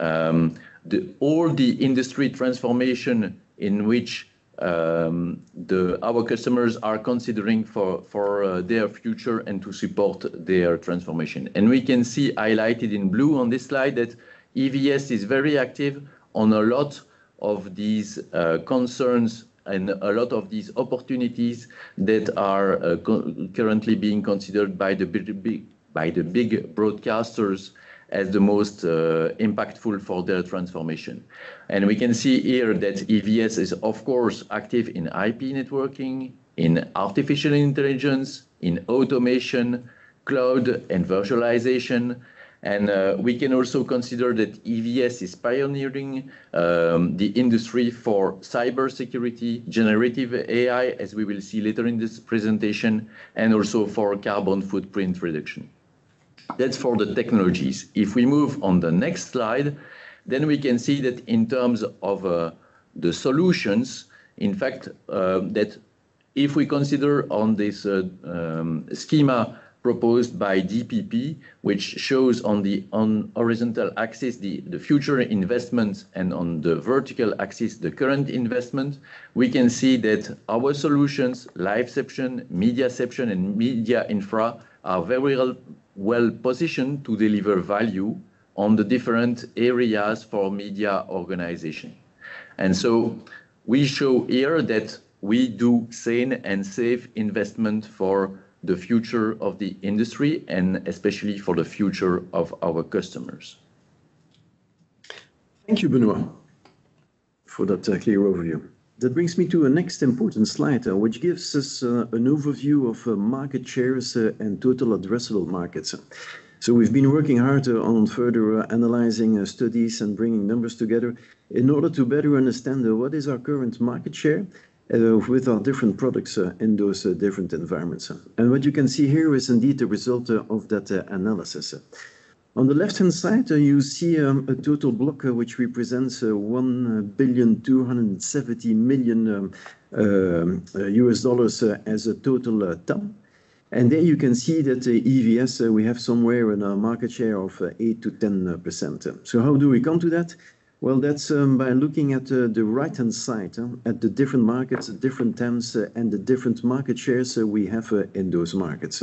Speaker 1: all the industry transformation in which our customers are considering for their future and to support their transformation. And we can see highlighted in blue on this slide that EVS is very active on a lot of these concerns and a lot of these opportunities that are currently being considered by the big broadcasters as the most impactful for their transformation. We can see here that EVS is, of course, active in IP networking, in artificial intelligence, in automation, cloud, and virtualization. We can also consider that EVS is pioneering the industry for cybersecurity, generative AI, as we will see later in this presentation, and also for carbon footprint reduction. That's for the technologies. If we move on the next slide, we can see that in terms of the solutions, in fact, if we consider on this schema proposed by DPP, which shows on the horizontal axis the future investments and on the vertical axis the current investments, we can see that our solutions, LiveCeption, MediaCeption, and MediaInfra are very well positioned to deliver value on the different areas for media organization. We show here that we do sane and safe investment for the future of the industry and especially for the future of our customers. Thank you, Benoit, for that clear overview. That brings me to the next important slide, which gives us an overview of market shares and total addressable markets. We've been working hard on further analyzing studies and bringing numbers together in order to better understand what is our current market share with our different products in those different environments. What you can see here is indeed the result of that analysis. On the left-hand side, you see a total block which represents $1.27 billion as a total TAM. There you can see that EVS, we have somewhere in our market share of 8%-10%. How do we come to that? That's by looking at the right-hand side at the different markets, the different lens, and the different market shares we have in those markets.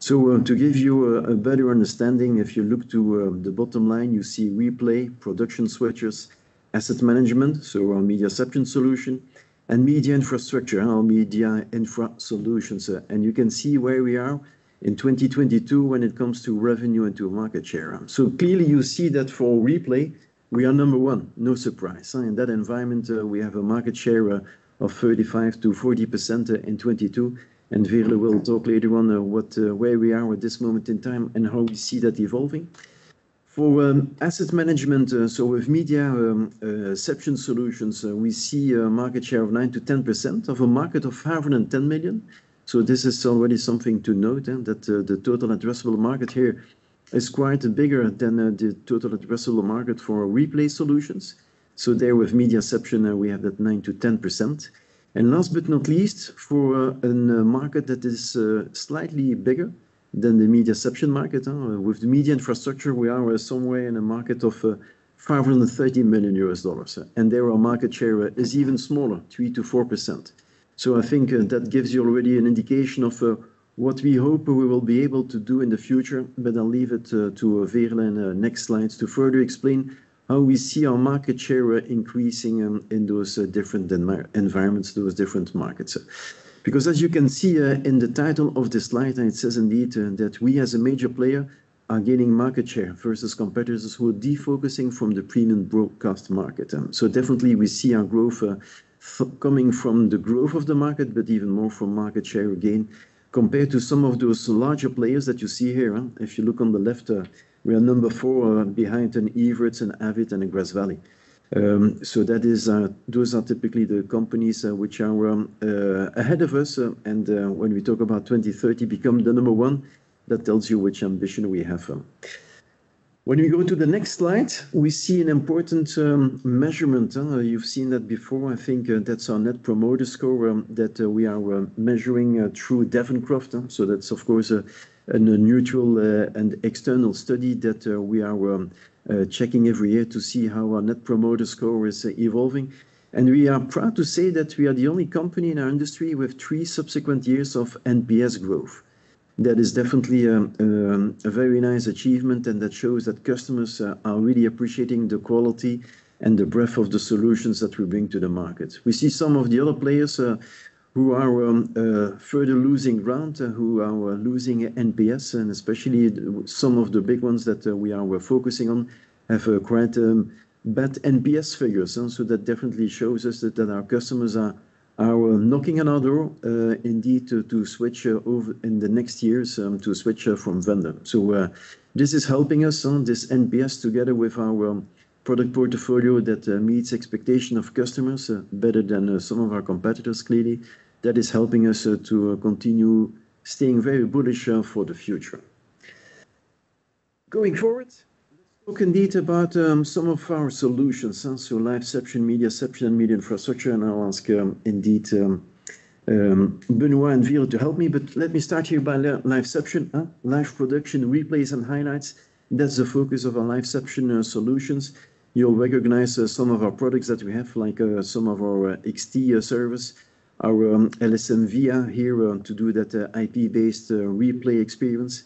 Speaker 1: To give you a better understanding, if you look to the bottom line, you see replay, production switches, asset management, so our MediaCeption solution, and Media Infrastructure, our MediaInfra solutions. You can see where we are in 2022 when it comes to revenue and to market share. Clearly, you see that for replay, we are number one, no surprise. In that environment, we have a market share of 35%-40% in 2022. Veerle will talk later on where we are at this moment in time and how we see that evolving. For asset management, so with MediaCeption solutions, we see a market share of 9%-10% of a market of 510 million. So this is already something to note that the total addressable market here is quite bigger than the total addressable market for replay solutions. So there with MediaCeption, we have that 9%-10%. And last but not least, for a market that is slightly bigger than the MediaCeption market, with the Media Infrastructure, we are somewhere in a market of $530 million. And there our market share is even smaller, 3%-4%. So I think that gives you already an indication of what we hope we will be able to do in the future. But I'll leave it to Veerle and the next slides to further explain how we see our market share increasing in those different environments, those different markets. Because as you can see in the title of this slide, it says indeed that we as a major player are gaining market share versus competitors who are defocusing from the premium broadcast market. So definitely, we see our growth coming from the growth of the market, but even more from market share gain compared to some of those larger players that you see here. If you look on the left, we are number four behind Evertz and Avid and Grass Valley. So those are typically the companies which are ahead of us, and when we talk about 2030 becoming the number one, that tells you which ambition we have. When we go to the next slide, we see an important measurement. You've seen that before. I think that's our Net Promoter Score that we are measuring through Devoncroft. That's, of course, a neutral and external study that we are checking every year to see how our Net Promoter Score is evolving. We are proud to say that we are the only company in our industry with three subsequent years of NPS growth. That is definitely a very nice achievement, and that shows that customers are really appreciating the quality and the breadth of the solutions that we bring to the market. We see some of the other players who are further losing ground, who are losing NPS, and especially some of the big ones that we are focusing on have quite bad NPS figures. That definitely shows us that our customers are knocking on our door indeed to switch over in the next years to switch from vendor. So this is helping us on this NPS together with our product portfolio that meets expectations of customers better than some of our competitors, clearly. That is helping us to continue staying very bullish for the future. Going forward, let's talk indeed about some of our solutions. So LiveCeption, MediaCeption, and Media Infrastructure. And I'll ask indeed Benoit and Veerle to help me. But let me start here by LiveCeption, live production, replays, and highlights. That's the focus of our LiveCeption solutions. You'll recognize some of our products that we have, like some of our XT servers, our LSM-VIA here to do that IP-based replay experience.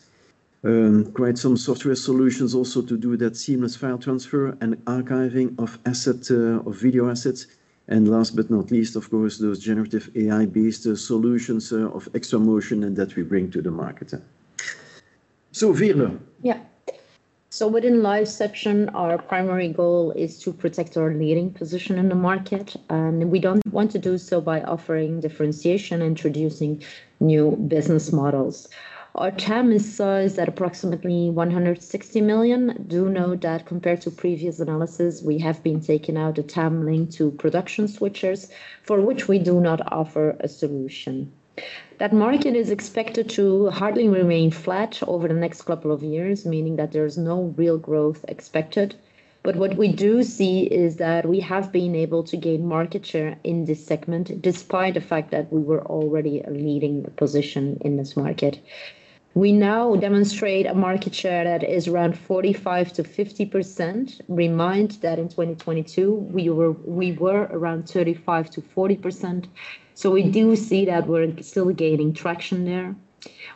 Speaker 1: Quite some software solutions also to do that seamless file transfer and archiving of assets, of video assets. And last but not least, of course, those generative AI-based solutions of XtraMotion that we bring to the market. Veerle. Yeah. Within LiveCeption, our primary goal is to protect our leading position in the market. We don't want to do so by offering differentiation and introducing new business models. Our TAM is sized at approximately 160 million. Do note that compared to previous analysis, we have been taken out a TAM link to production switchers for which we do not offer a solution. That market is expected to hardly remain flat over the next couple of years, meaning that there is no real growth expected. But what we do see is that we have been able to gain market share in this segment despite the fact that we were already a leading position in this market. We now demonstrate a market share that is around 45%-50%. Remind that in 2022, we were around 35%-40%. So we do see that we're still gaining traction there.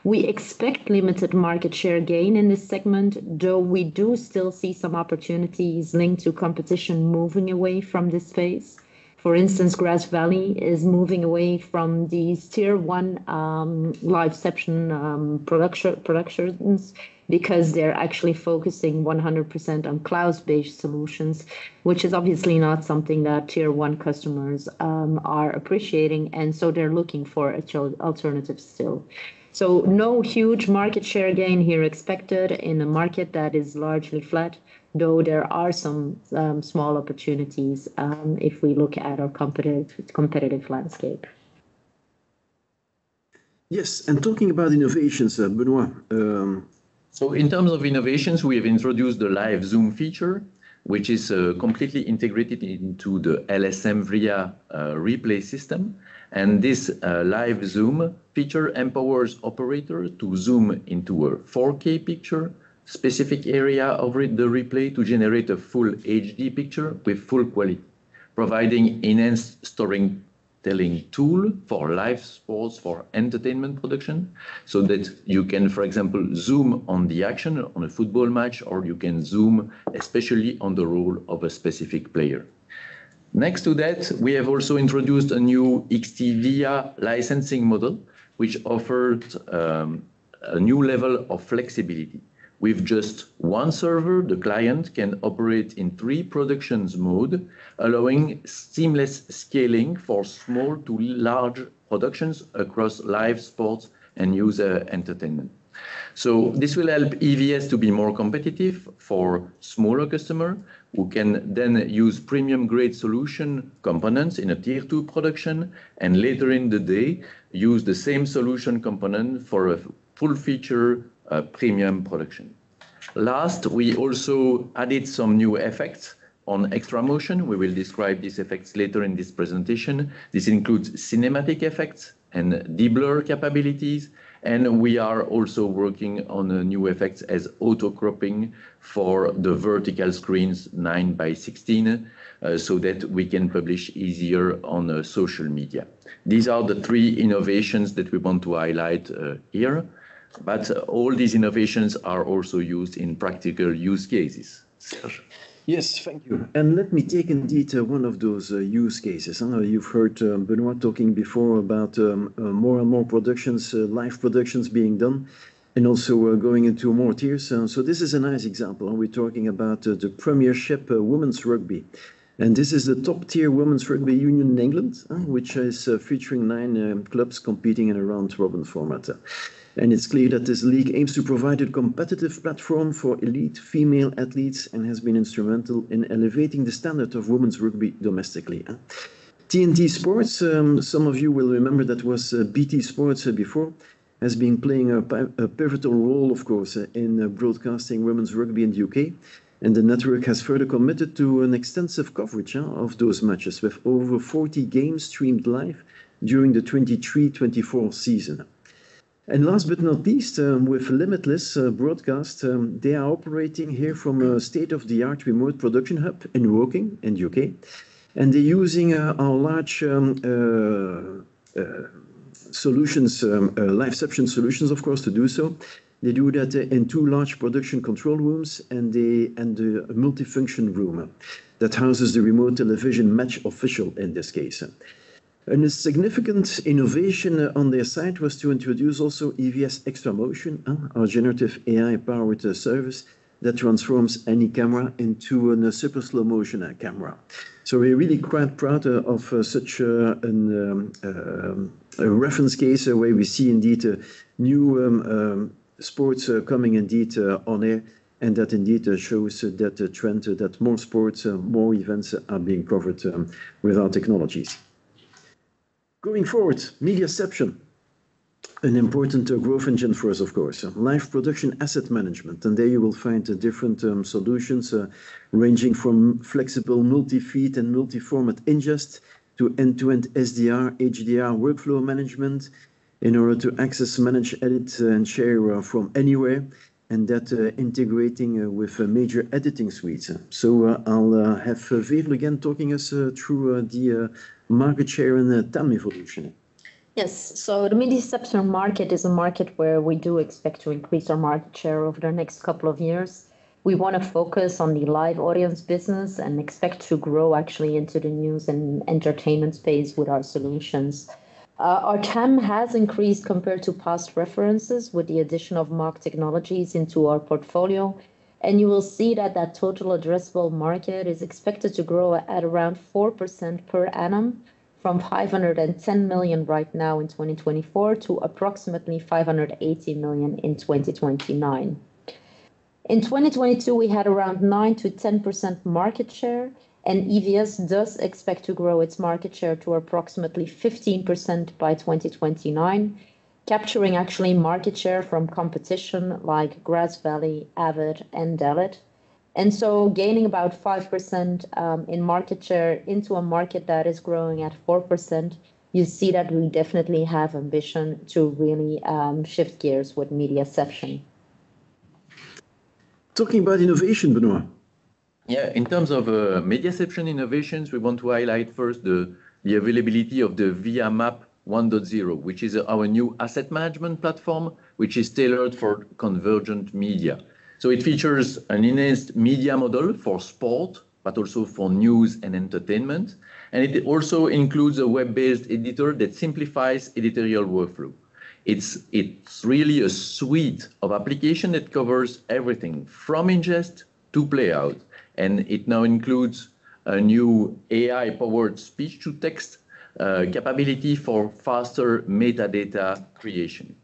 Speaker 1: We expect limited market share gain in this segment, though we do still see some opportunities linked to competition moving away from this space. For instance, Grass Valley is moving away from these tier one LiveCeption productions because they're actually focusing 100% on cloud-based solutions, which is obviously not something that tier one customers are appreciating. And so they're looking for alternatives still. So no huge market share gain here expected in a market that is largely flat, though there are some small opportunities if we look at our competitive landscape. Yes. And talking about innovations, Benoit. So in terms of innovations, we have introduced the LiveZoom feature, which is completely integrated into the LSM-VIA replay system. This LiveZoom feature empowers operators to zoom into a 4K picture, specific area of the replay to generate a full HD picture with full quality, providing enhanced storytelling tools for live sports, for entertainment production, so that you can, for example, zoom on the action on a football match, or you can zoom especially on the role of a specific player. Next to that, we have also introduced a new XT-VIA licensing model, which offers a new level of flexibility. With just one server, the client can operate in three production modes, allowing seamless scaling for small to large productions across live sports and live entertainment. This will help EVS to be more competitive for smaller customers who can then use premium-grade solution components in a tier-two production and later in the day use the same solution component for a full-feature premium production. Last, we also added some new effects on XtraMotion. We will describe these effects later in this presentation. This includes cinematic effects and de-blur capabilities. And we are also working on new effects as auto-cropping for the vertical screens 9 by 16 so that we can publish easier on social media. These are the three innovations that we want to highlight here. But all these innovations are also used in practical use cases. Yes, thank you. And let me take indeed one of those use cases. You've heard Benoit talking before about more and more productions, live productions being done and also going into more tiers. So this is a nice example. We're talking about the Premiership Women's Rugby. And this is the top-tier Women's Rugby Union in England, which is featuring nine clubs competing in a round-robin format. It's clear that this league aims to provide a competitive platform for elite female athletes and has been instrumental in elevating the standard of women's rugby domestically. TNT Sports, some of you will remember that was BT Sport before, has been playing a pivotal role, of course, in broadcasting women's rugby in the U.K. The network has further committed to an extensive coverage of those matches with over 40 games streamed live during the 2023-24 season. Last but not least, with Limitless Broadcast, they are operating here from a state-of-the-art remote production hub in Woking in the U.K. They're using our large solutions, LiveCeption solutions, of course, to do so. They do that in two large production control rooms and the multifunction room that houses the remote television match official in this case. A significant innovation on their side was to introduce also EVS XtraMotion, our generative AI-powered service that transforms any camera into a super slow-motion camera. So we're really quite proud of such a reference case where we see indeed new sports coming indeed on air, and that indeed shows that the trend that more sports, more events are being covered with our technologies. Going forward, MediaCeption, an important growth engine for us, of course, live production asset management. And there you will find different solutions ranging from flexible multi-feed and multi-format ingest to end-to-end SDR, HDR workflow management in order to access, manage, edit, and share from anywhere, and that integrating with major editing suites. So I'll have Veerle again talking us through the market share and TAM evolution. Yes. The MediaCeption market is a market where we do expect to increase our market share over the next couple of years. We want to focus on the Live Audience Business and expect to grow actually into the news and entertainment space with our solutions. Our TAM has increased compared to past references with the addition of MOG Technologies into our portfolio. You will see that the total addressable market is expected to grow at around 4% per annum from 510 million right now in 2024 to approximately 580 million in 2029. In 2022, we had around 9%-10% market share, and EVS does expect to grow its market share to approximately 15% by 2029, capturing actually market share from competition like Grass Valley, Avid, and Dalet. And so, gaining about 5% in market share into a market that is growing at 4%, you see that we definitely have ambition to really shift gears with MediaCeption. Talking about innovation, Benoit. Yeah, in terms of MediaCeption innovations, we want to highlight first the availability of the VIA MAP 1.0, which is our new asset management platform, which is tailored for convergent media. So it features an enhanced media model for sport, but also for news and entertainment. And it also includes a web-based editor that simplifies editorial workflow. It's really a suite of applications that covers everything from ingest to playout. And it now includes a new AI-powered speech-to-text capability for faster metadata creation.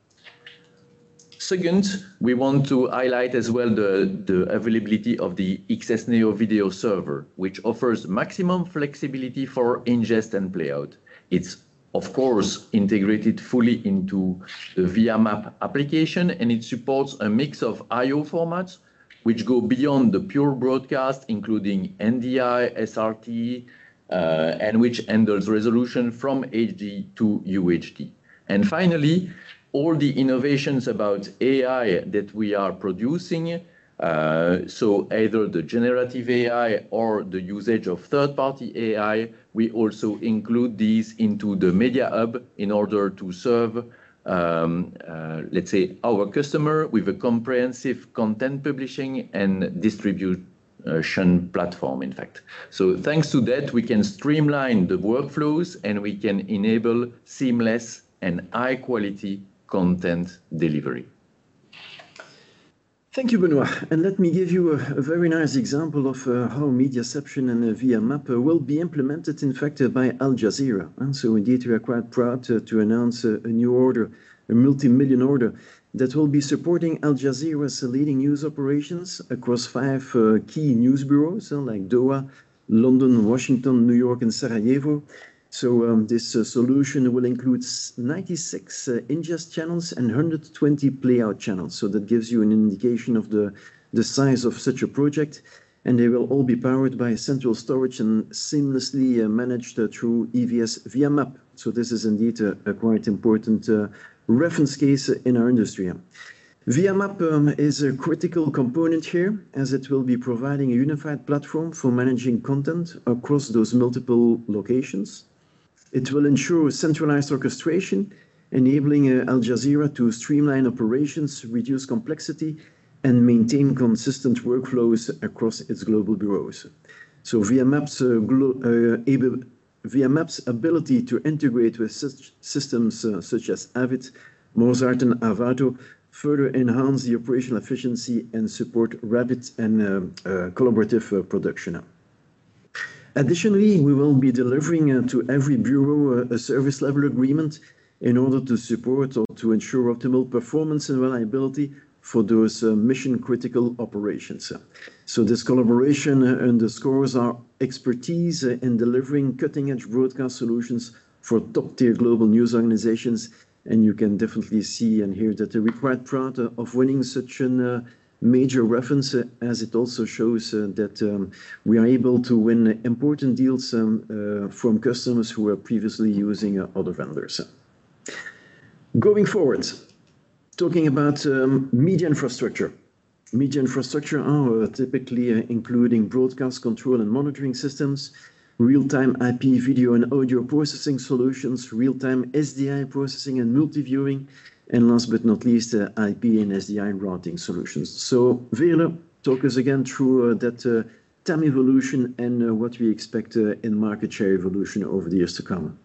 Speaker 1: Second, we want to highlight as well the availability of the XS Neo video server, which offers maximum flexibility for ingest and playout. It's, of course, integrated fully into the VIA MAP application, and it supports a mix of I/O formats, which go beyond the pure broadcast, including NDI, SRT, and which handles resolution from HD to UHD, and finally, all the innovations about AI that we are producing, so either the generative AI or the usage of third-party AI, we also include these into the MediaHub in order to serve, let's say, our customer with a comprehensive content publishing and distribution platform, in fact, so thanks to that, we can streamline the workflows, and we can enable seamless and high-quality content delivery. Thank you, Benoit, and let me give you a very nice example of how MediaCeption and VIA MAP will be implemented, in fact, by Al Jazeera. So indeed, we are quite proud to announce a new order, a multi-million order that will be supporting Al Jazeera's leading news operations across five key news bureaus like Doha, London, Washington, New York, and Sarajevo. So this solution will include 96 ingest channels and 120 playout channels. So that gives you an indication of the size of such a project. And they will all be powered by central storage and seamlessly managed through EVS VIA MAP. So this is indeed a quite important reference case in our industry. VIA MAP is a critical component here as it will be providing a unified platform for managing content across those multiple locations. It will ensure centralized orchestration, enabling Al Jazeera to streamline operations, reduce complexity, and maintain consistent workflows across its global bureaus. So VIA MAP's ability to integrate with systems such as Avid, Mosart, and Arvato further enhance the operational efficiency and support rapid and collaborative production. Additionally, we will be delivering to every bureau a service level agreement in order to support or to ensure optimal performance and reliability for those mission-critical operations, so this collaboration underscores our expertise in delivering cutting-edge broadcast solutions for top-tier global news organizations, and you can definitely see and hear that they're quite proud of winning such a major reference as it also shows that we are able to win important deals from customers who are previously using other vendors. Going forward, talking about Media Infrastructure. Media Infrastructure are typically including broadcast control and monitoring systems, real-time IP video and audio processing solutions, real-time SDI processing and multi-viewing, and last but not least, IP and SDI routing solutions. So Veerle, talk us again through that TAM evolution and what we expect in market share evolution over the years to come.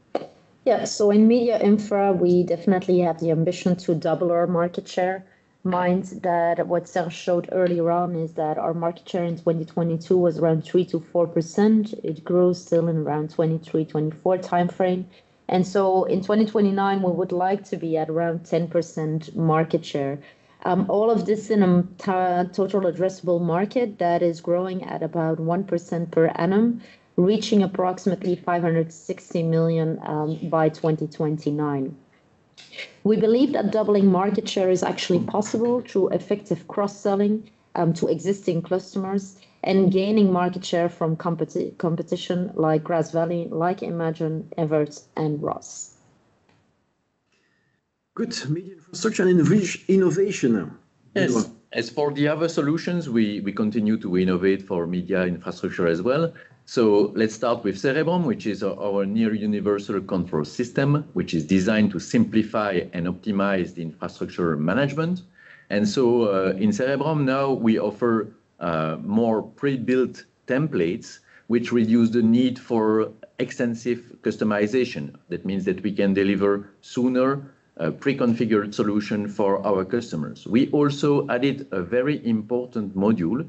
Speaker 1: Yeah, so in MediaInfra, we definitely have the ambition to double our market share. Mind that what Serge showed earlier on is that our market share in 2022 was around 3%-4%. It grows still in around 2023-2024 timeframe. And so in 2029, we would like to be at around 10% market share. All of this in a total addressable market that is growing at about 1% per annum, reaching approximately 560 million by 2029. We believe that doubling market share is actually possible through effective cross-selling to existing customers and gaining market share from competition like Grass Valley, like Imagine, Evertz, and Ross. Good Media Infrastructure and innovation. Yes. As for the other solutions, we continue to innovate for Media Infrastructure as well. Let's start with Cerebrum, which is our near-universal control system, which is designed to simplify and optimize the infrastructure management. In Cerebrum, now we offer more pre-built templates, which reduce the need for extensive customization. That means that we can deliver sooner a pre-configured solution for our customers. We also added a very important module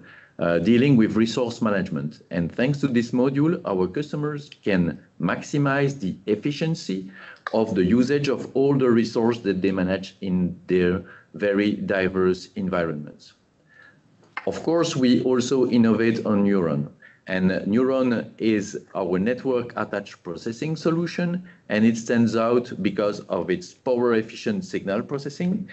Speaker 1: dealing with resource management. Thanks to this module, our customers can maximize the efficiency of the usage of all the resources that they manage in their very diverse environments. Of course, we also innovate on Neuron. Neuron is our network-attached processing solution, and it stands out because of its power-efficient signal processing.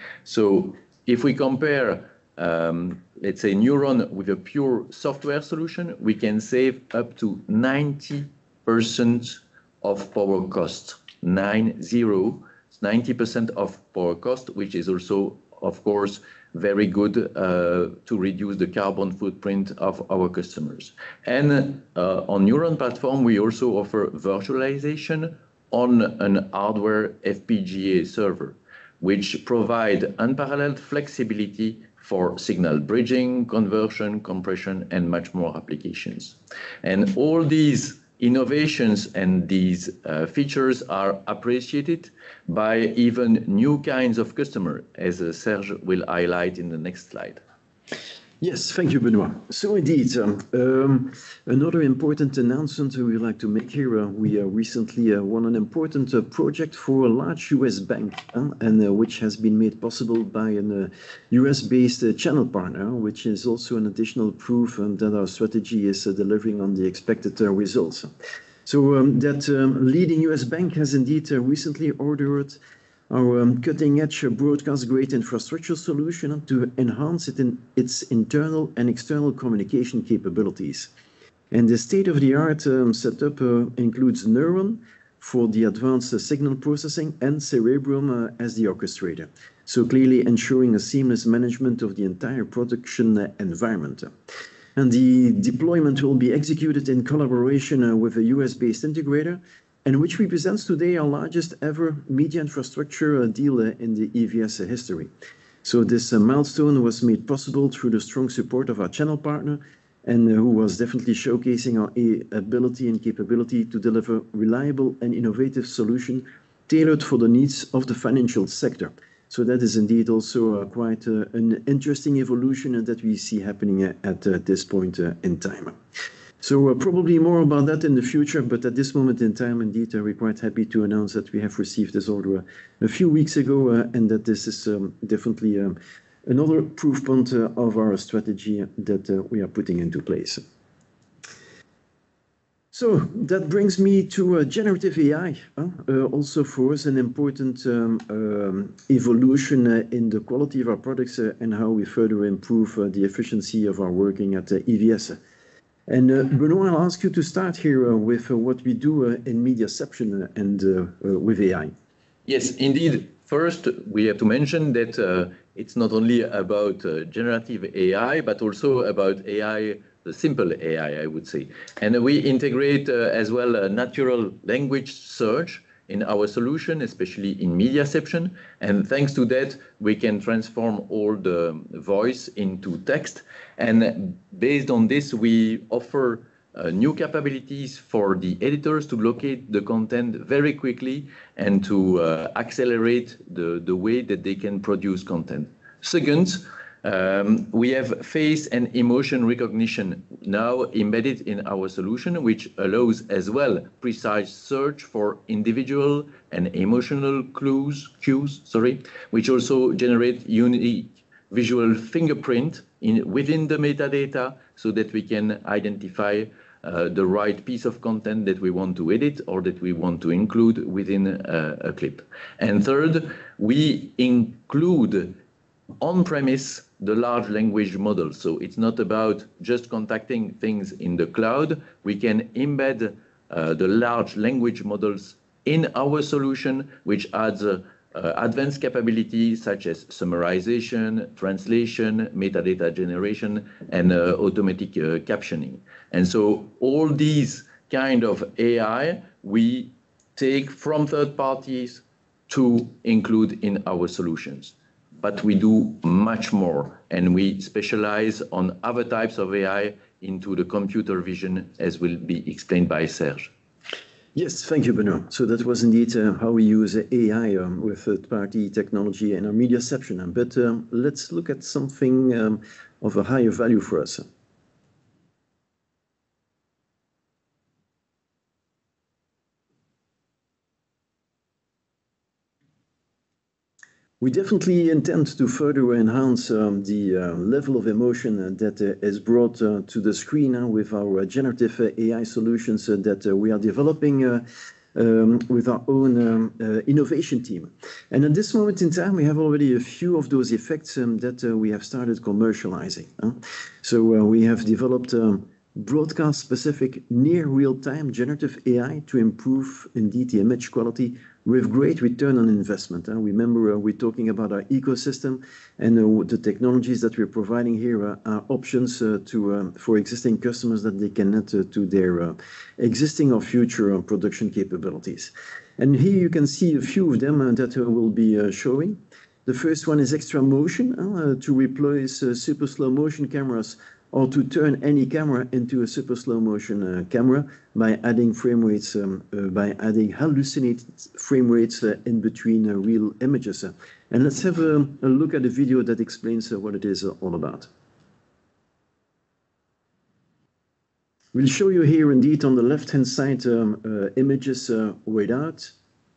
Speaker 1: If we compare, let's say, Neuron with a pure software solution, we can save up to 90% of power cost, which is also, of course, very good to reduce the carbon footprint of our customers. On the Neuron platform, we also offer virtualization on a hardware FPGA server, which provides unparalleled flexibility for signal bridging, conversion, compression, and much more applications. All these innovations and these features are appreciated by even new kinds of customers, as Serge will highlight in the next slide. Yes, thank you, Benoit. Indeed, another important announcement we would like to make here. We recently won an important project for a large U.S. bank, which has been made possible by a U.S.-based channel partner, which is also an additional proof that our strategy is delivering on the expected results. That leading U.S. bank has indeed recently ordered our cutting-edge broadcast-grade infrastructure solution to enhance its internal and external communication capabilities. The state-of-the-art setup includes Neuron for the advanced signal processing and Cerebrum as the orchestrator, clearly ensuring a seamless management of the entire production environment. The deployment will be executed in collaboration with a U.S.-based integrator, which represents today our largest ever Media Infrastructure deal in the EVS history. This milestone was made possible through the strong support of our channel partner, who was definitely showcasing our ability and capability to deliver a reliable and innovative solution tailored for the needs of the financial sector. That is indeed also quite an interesting evolution that we see happening at this point in time. So probably more about that in the future, but at this moment in time, indeed, we're quite happy to announce that we have received this order a few weeks ago and that this is definitely another proof point of our strategy that we are putting into place, so that brings me to generative AI, also for us an important evolution in the quality of our products and how we further improve the efficiency of our working at EVS, and Benoit, I'll ask you to start here with what we do in MediaCeption and with AI. Yes, indeed. First, we have to mention that it's not only about generative AI, but also about AI, the simple AI, I would say. And we integrate as well natural language search in our solution, especially in MediaCeption. And thanks to that, we can transform all the voice into text. Based on this, we offer new capabilities for the editors to locate the content very quickly and to accelerate the way that they can produce content. Second, we have face and emotion recognition now embedded in our solution, which allows as well precise search for individual and emotional clues, cues, sorry, which also generate unique visual fingerprint within the metadata so that we can identify the right piece of content that we want to edit or that we want to include within a clip. Third, we include on-premise the large language models. It's not about just contacting things in the cloud. We can embed the large language models in our solution, which adds advanced capabilities such as summarization, translation, metadata generation, and automatic captioning. All these kinds of AI, we take from third parties to include in our solutions. But we do much more, and we specialize on other types of AI into the computer vision, as will be explained by Serge. Yes, thank you, Benoit. So that was indeed how we use AI with third-party technology in our MediaCeption. But let's look at something of a higher value for us. We definitely intend to further enhance the level of emotion that is brought to the screen with our generative AI solutions that we are developing with our own innovation team. And at this moment in time, we have already a few of those effects that we have started commercializing. So we have developed broadcast-specific near-real-time generative AI to improve indeed the image quality with great return on investment. Remember, we're talking about our ecosystem and the technologies that we're providing here are options for existing customers that they can add to their existing or future production capabilities. Here you can see a few of them that will be showing. The first one is XtraMotion to replace super slow motion cameras or to turn any camera into a super slow motion camera by adding frame rates, by adding hallucinated frame rates in between real images. Let's have a look at the video that explains what it is all about. We'll show you here indeed on the left-hand side images without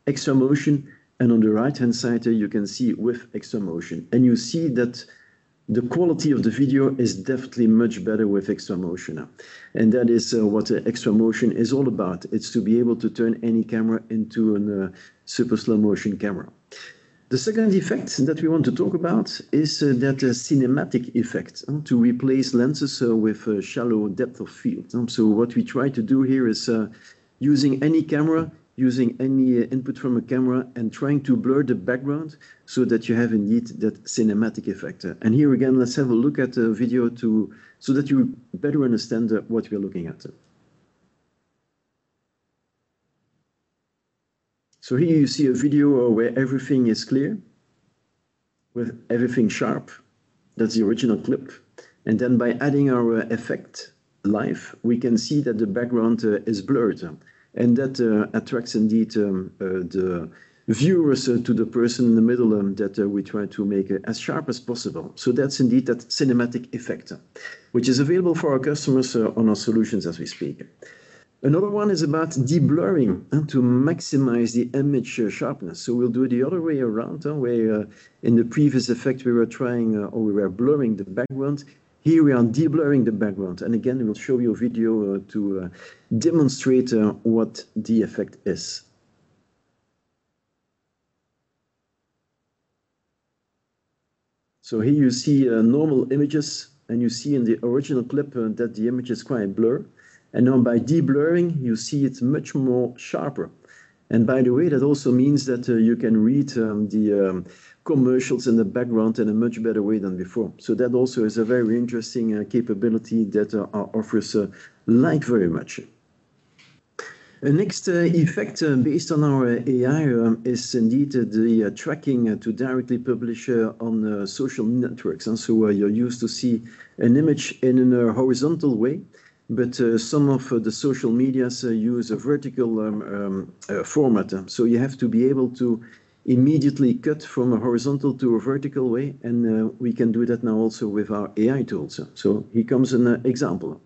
Speaker 1: XtraMotion, and on the right-hand side, you can see with XtraMotion. You see that the quality of the video is definitely much better with XtraMotion. That is what XtraMotion is all about. It's to be able to turn any camera into a super slow motion camera. The second effect that we want to talk about is that cinematic effect to replace lenses with a shallow depth of field. So what we try to do here is using any camera, using any input from a camera, and trying to blur the background so that you have indeed that cinematic effect. And here again, let's have a look at the video so that you better understand what we're looking at. So here you see a video where everything is clear, with everything sharp. That's the original clip. And then by adding our effect live, we can see that the background is blurred. And that attracts indeed the viewers to the person in the middle that we try to make as sharp as possible. So that's indeed that cinematic effect, which is available for our customers on our solutions as we speak. Another one is about de-blurring to maximize the image sharpness. So we'll do it the other way around, where in the previous effect, we were trying or we were blurring the background. Here we are de-blurring the background. And again, we'll show you a video to demonstrate what the effect is. So here you see normal images, and you see in the original clip that the image is quite blurred. And now by de-blurring, you see it's much more sharper. And by the way, that also means that you can read the commercials in the background in a much better way than before. So that also is a very interesting capability that I offer very much. The next effect based on our AI is indeed the tracking to directly publish on social networks. So you're used to see an image in a horizontal way, but some of the social medias use a vertical format. So you have to be able to immediately cut from a horizontal to a vertical way, and we can do that now also with our AI tools. So here comes an example.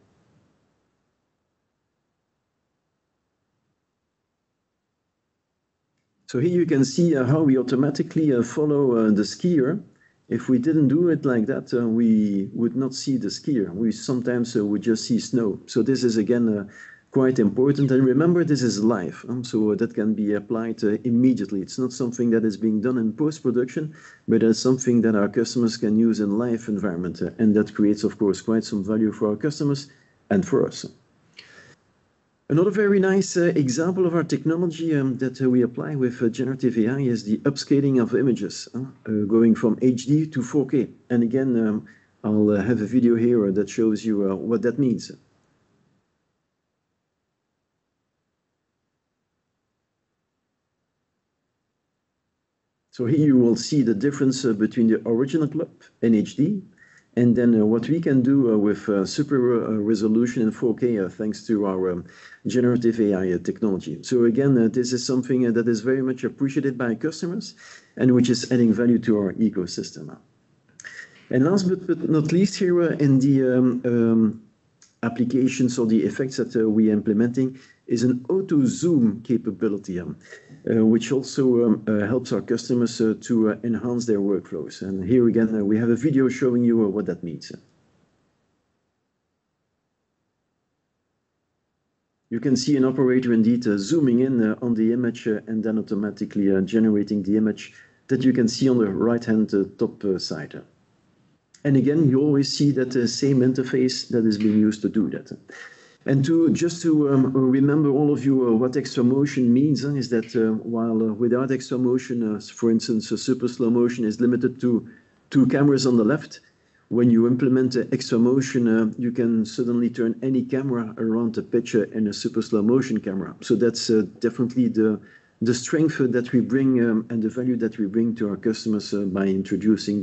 Speaker 1: So here you can see how we automatically follow the skier. If we didn't do it like that, we would not see the skier. Sometimes we just see snow. So this is again quite important. And remember, this is live, so that can be applied immediately. It's not something that is being done in post-production, but it's something that our customers can use in live environments. And that creates, of course, quite some value for our customers and for us. Another very nice example of our technology that we apply with generative AI is the upscaling of images going from HD to 4K. And again, I'll have a video here that shows you what that means. So here you will see the difference between the original clip in HD and then what we can do with super resolution in 4K thanks to our generative AI technology. So again, this is something that is very much appreciated by customers and which is adding value to our ecosystem. And last but not least, here in the applications or the effects that we are implementing is an auto zoom capability, which also helps our customers to enhance their workflows. And here again, we have a video showing you what that means. You can see an operator indeed zooming in on the image and then automatically generating the image that you can see on the right-hand top side. And again, you always see that same interface that is being used to do that. And just to remind all of you what XtraMotion means is that while without XtraMotion, for instance, super slow motion is limited to two cameras on the left, when you implement XtraMotion, you can suddenly turn any camera in the picture into a super slow motion camera. So that's definitely the strength that we bring and the value that we bring to our customers by introducing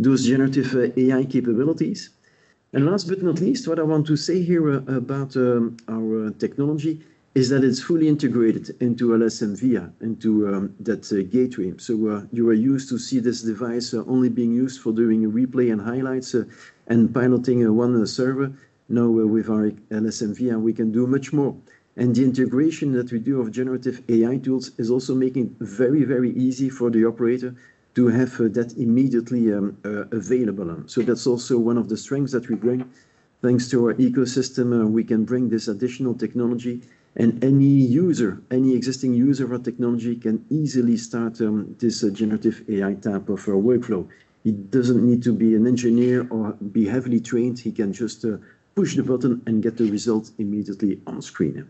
Speaker 1: those generative AI capabilities. And last but not least, what I want to say here about our technology is that it's fully integrated into LSM-VIA, into that gateway. So you are used to see this device only being used for doing replay and highlights and piloting one server. Now with our LSM-VIA, we can do much more. And the integration that we do of generative AI tools is also making it very, very easy for the operator to have that immediately available. So that's also one of the strengths that we bring. Thanks to our ecosystem, we can bring this additional technology, and any user, any existing user of our technology can easily start this generative AI type of workflow. It doesn't need to be an engineer or be heavily trained. He can just push the button and get the result immediately on screen.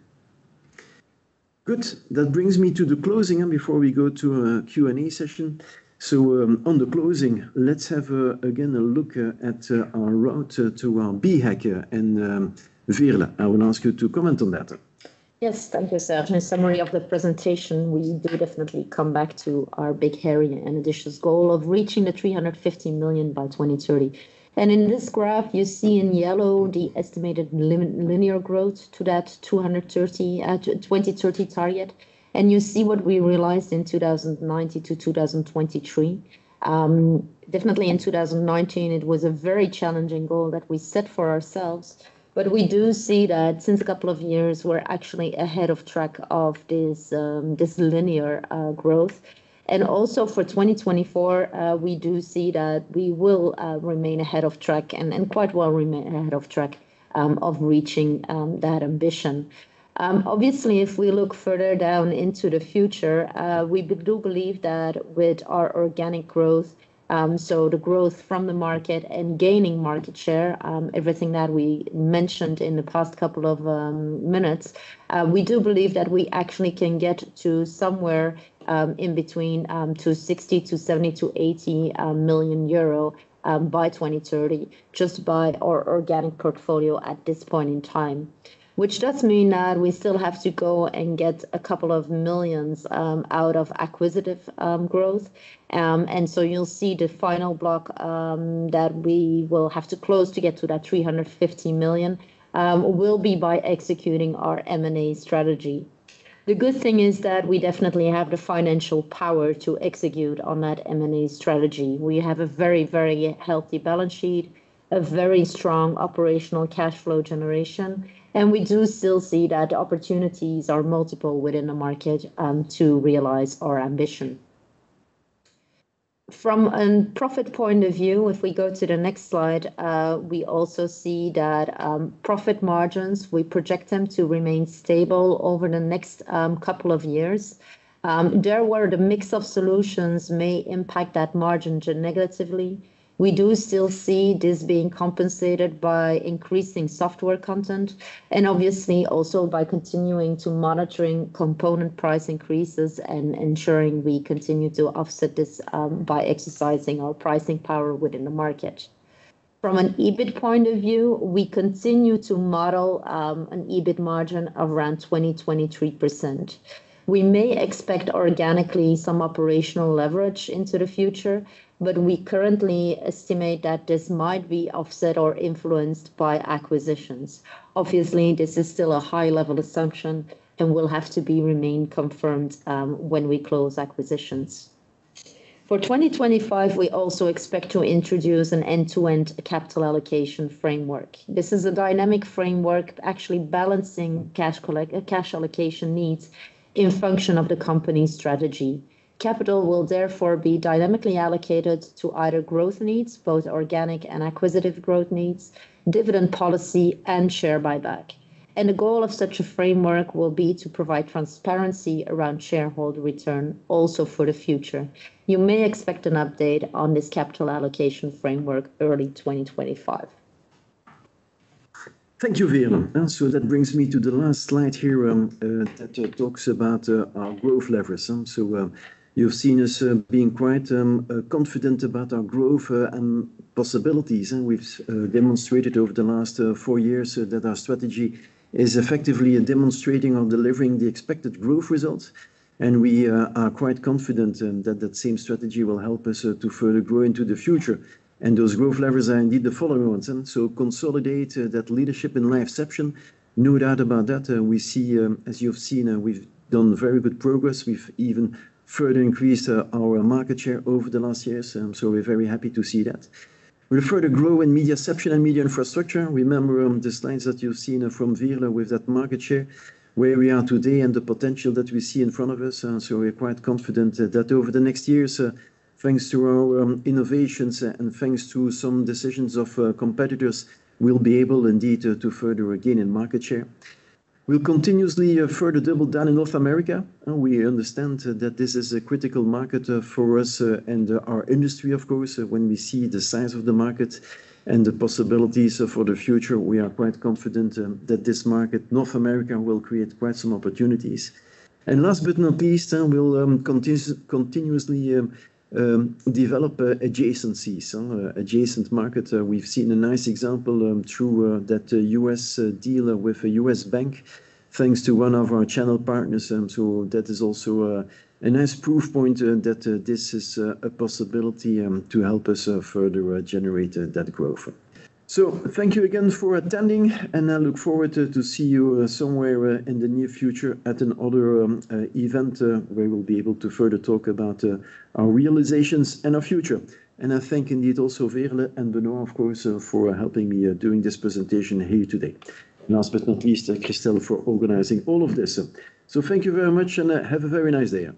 Speaker 1: Good. That brings me to the closing before we go to a Q&A session. So on the closing, let's have again a look at our route to our BHAG and Veerle. I will ask you to comment on that. Yes, thank you, Serge. In summary of the presentation, we do definitely come back to our big hairy and ambitious goal of reaching €350 million by 2030. In this graph, you see in yellow the estimated linear growth to that 2030 target. You see what we realized in 2019 to 2023. Definitely in 2019, it was a very challenging goal that we set for ourselves. We do see that since a couple of years, we're actually ahead of track of this linear growth. Also for 2024, we do see that we will remain ahead of track and quite well remain ahead of track of reaching that ambition. Obviously, if we look further down into the future, we do believe that with our organic growth, so the growth from the market and gaining market share, everything that we mentioned in the past couple of minutes, we do believe that we actually can get to somewhere in between 60 to 70 to 80 million euro by 2030 just by our organic portfolio at this point in time, which does mean that we still have to go and get a couple of millions out of acquisitive growth. And so you'll see the final block that we will have to close to get to that 350 million will be by executing our M&A strategy. The good thing is that we definitely have the financial power to execute on that M&A strategy. We have a very, very healthy balance sheet, a very strong operational cash flow generation. And we do still see that opportunities are multiple within the market to realize our ambition. From a profit point of view, if we go to the next slide, we also see that profit margins. We project them to remain stable over the next couple of years. Therefore, the mix of solutions may impact that margin negatively. We do still see this being compensated by increasing software content and obviously also by continuing to monitor component price increases and ensuring we continue to offset this by exercising our pricing power within the market. From an EBIT point of view, we continue to model an EBIT margin around 20%-23%. We may expect organically some operational leverage into the future, but we currently estimate that this might be offset or influenced by acquisitions. Obviously, this is still a high-level assumption and will have to be confirmed when we close acquisitions. For 2025, we also expect to introduce an end-to-end capital allocation framework. This is a dynamic framework actually balancing cash allocation needs in function of the company's strategy. Capital will therefore be dynamically allocated to either growth needs, both organic and acquisitive growth needs, dividend policy, and share buyback. And the goal of such a framework will be to provide transparency around shareholder return also for the future. You may expect an update on this capital allocation framework early 2025. Thank you, Veerle. So that brings me to the last slide here that talks about our growth levers. So you've seen us being quite confident about our growth and possibilities. We've demonstrated over the last four years that our strategy is effectively demonstrating or delivering the expected growth results. And we are quite confident that that same strategy will help us to further grow into the future. Those growth levers are indeed the following ones. So consolidate that leadership in LiveCeption. No doubt about that. We see, as you've seen, we've done very good progress. We've even further increased our market share over the last years. So we're very happy to see that. We'll further grow in MediaCeption and MediaInfra. Remember the slides that you've seen from Veerle with that market share, where we are today and the potential that we see in front of us. So we're quite confident that over the next years, thanks to our innovations and thanks to some decisions of competitors, we'll be able indeed to further gain in market share. We'll continuously further double down in North America. We understand that this is a critical market for us and our industry, of course. When we see the size of the market and the possibilities for the future, we are quite confident that this market, North America, will create quite some opportunities, and last but not least, we'll continuously develop adjacencies, adjacent markets. We've seen a nice example through that US deal with a US bank, thanks to one of our channel partners. So that is also a nice proof point that this is a possibility to help us further generate that growth, so thank you again for attending, and I look forward to seeing you somewhere in the near future at another event where we'll be able to further talk about our realizations in our future, and I thank indeed also Veerle and Benoit, of course, for helping me during this presentation here today. Last but not least, Christelle, for organizing all of this. Thank you very much and have a very nice day.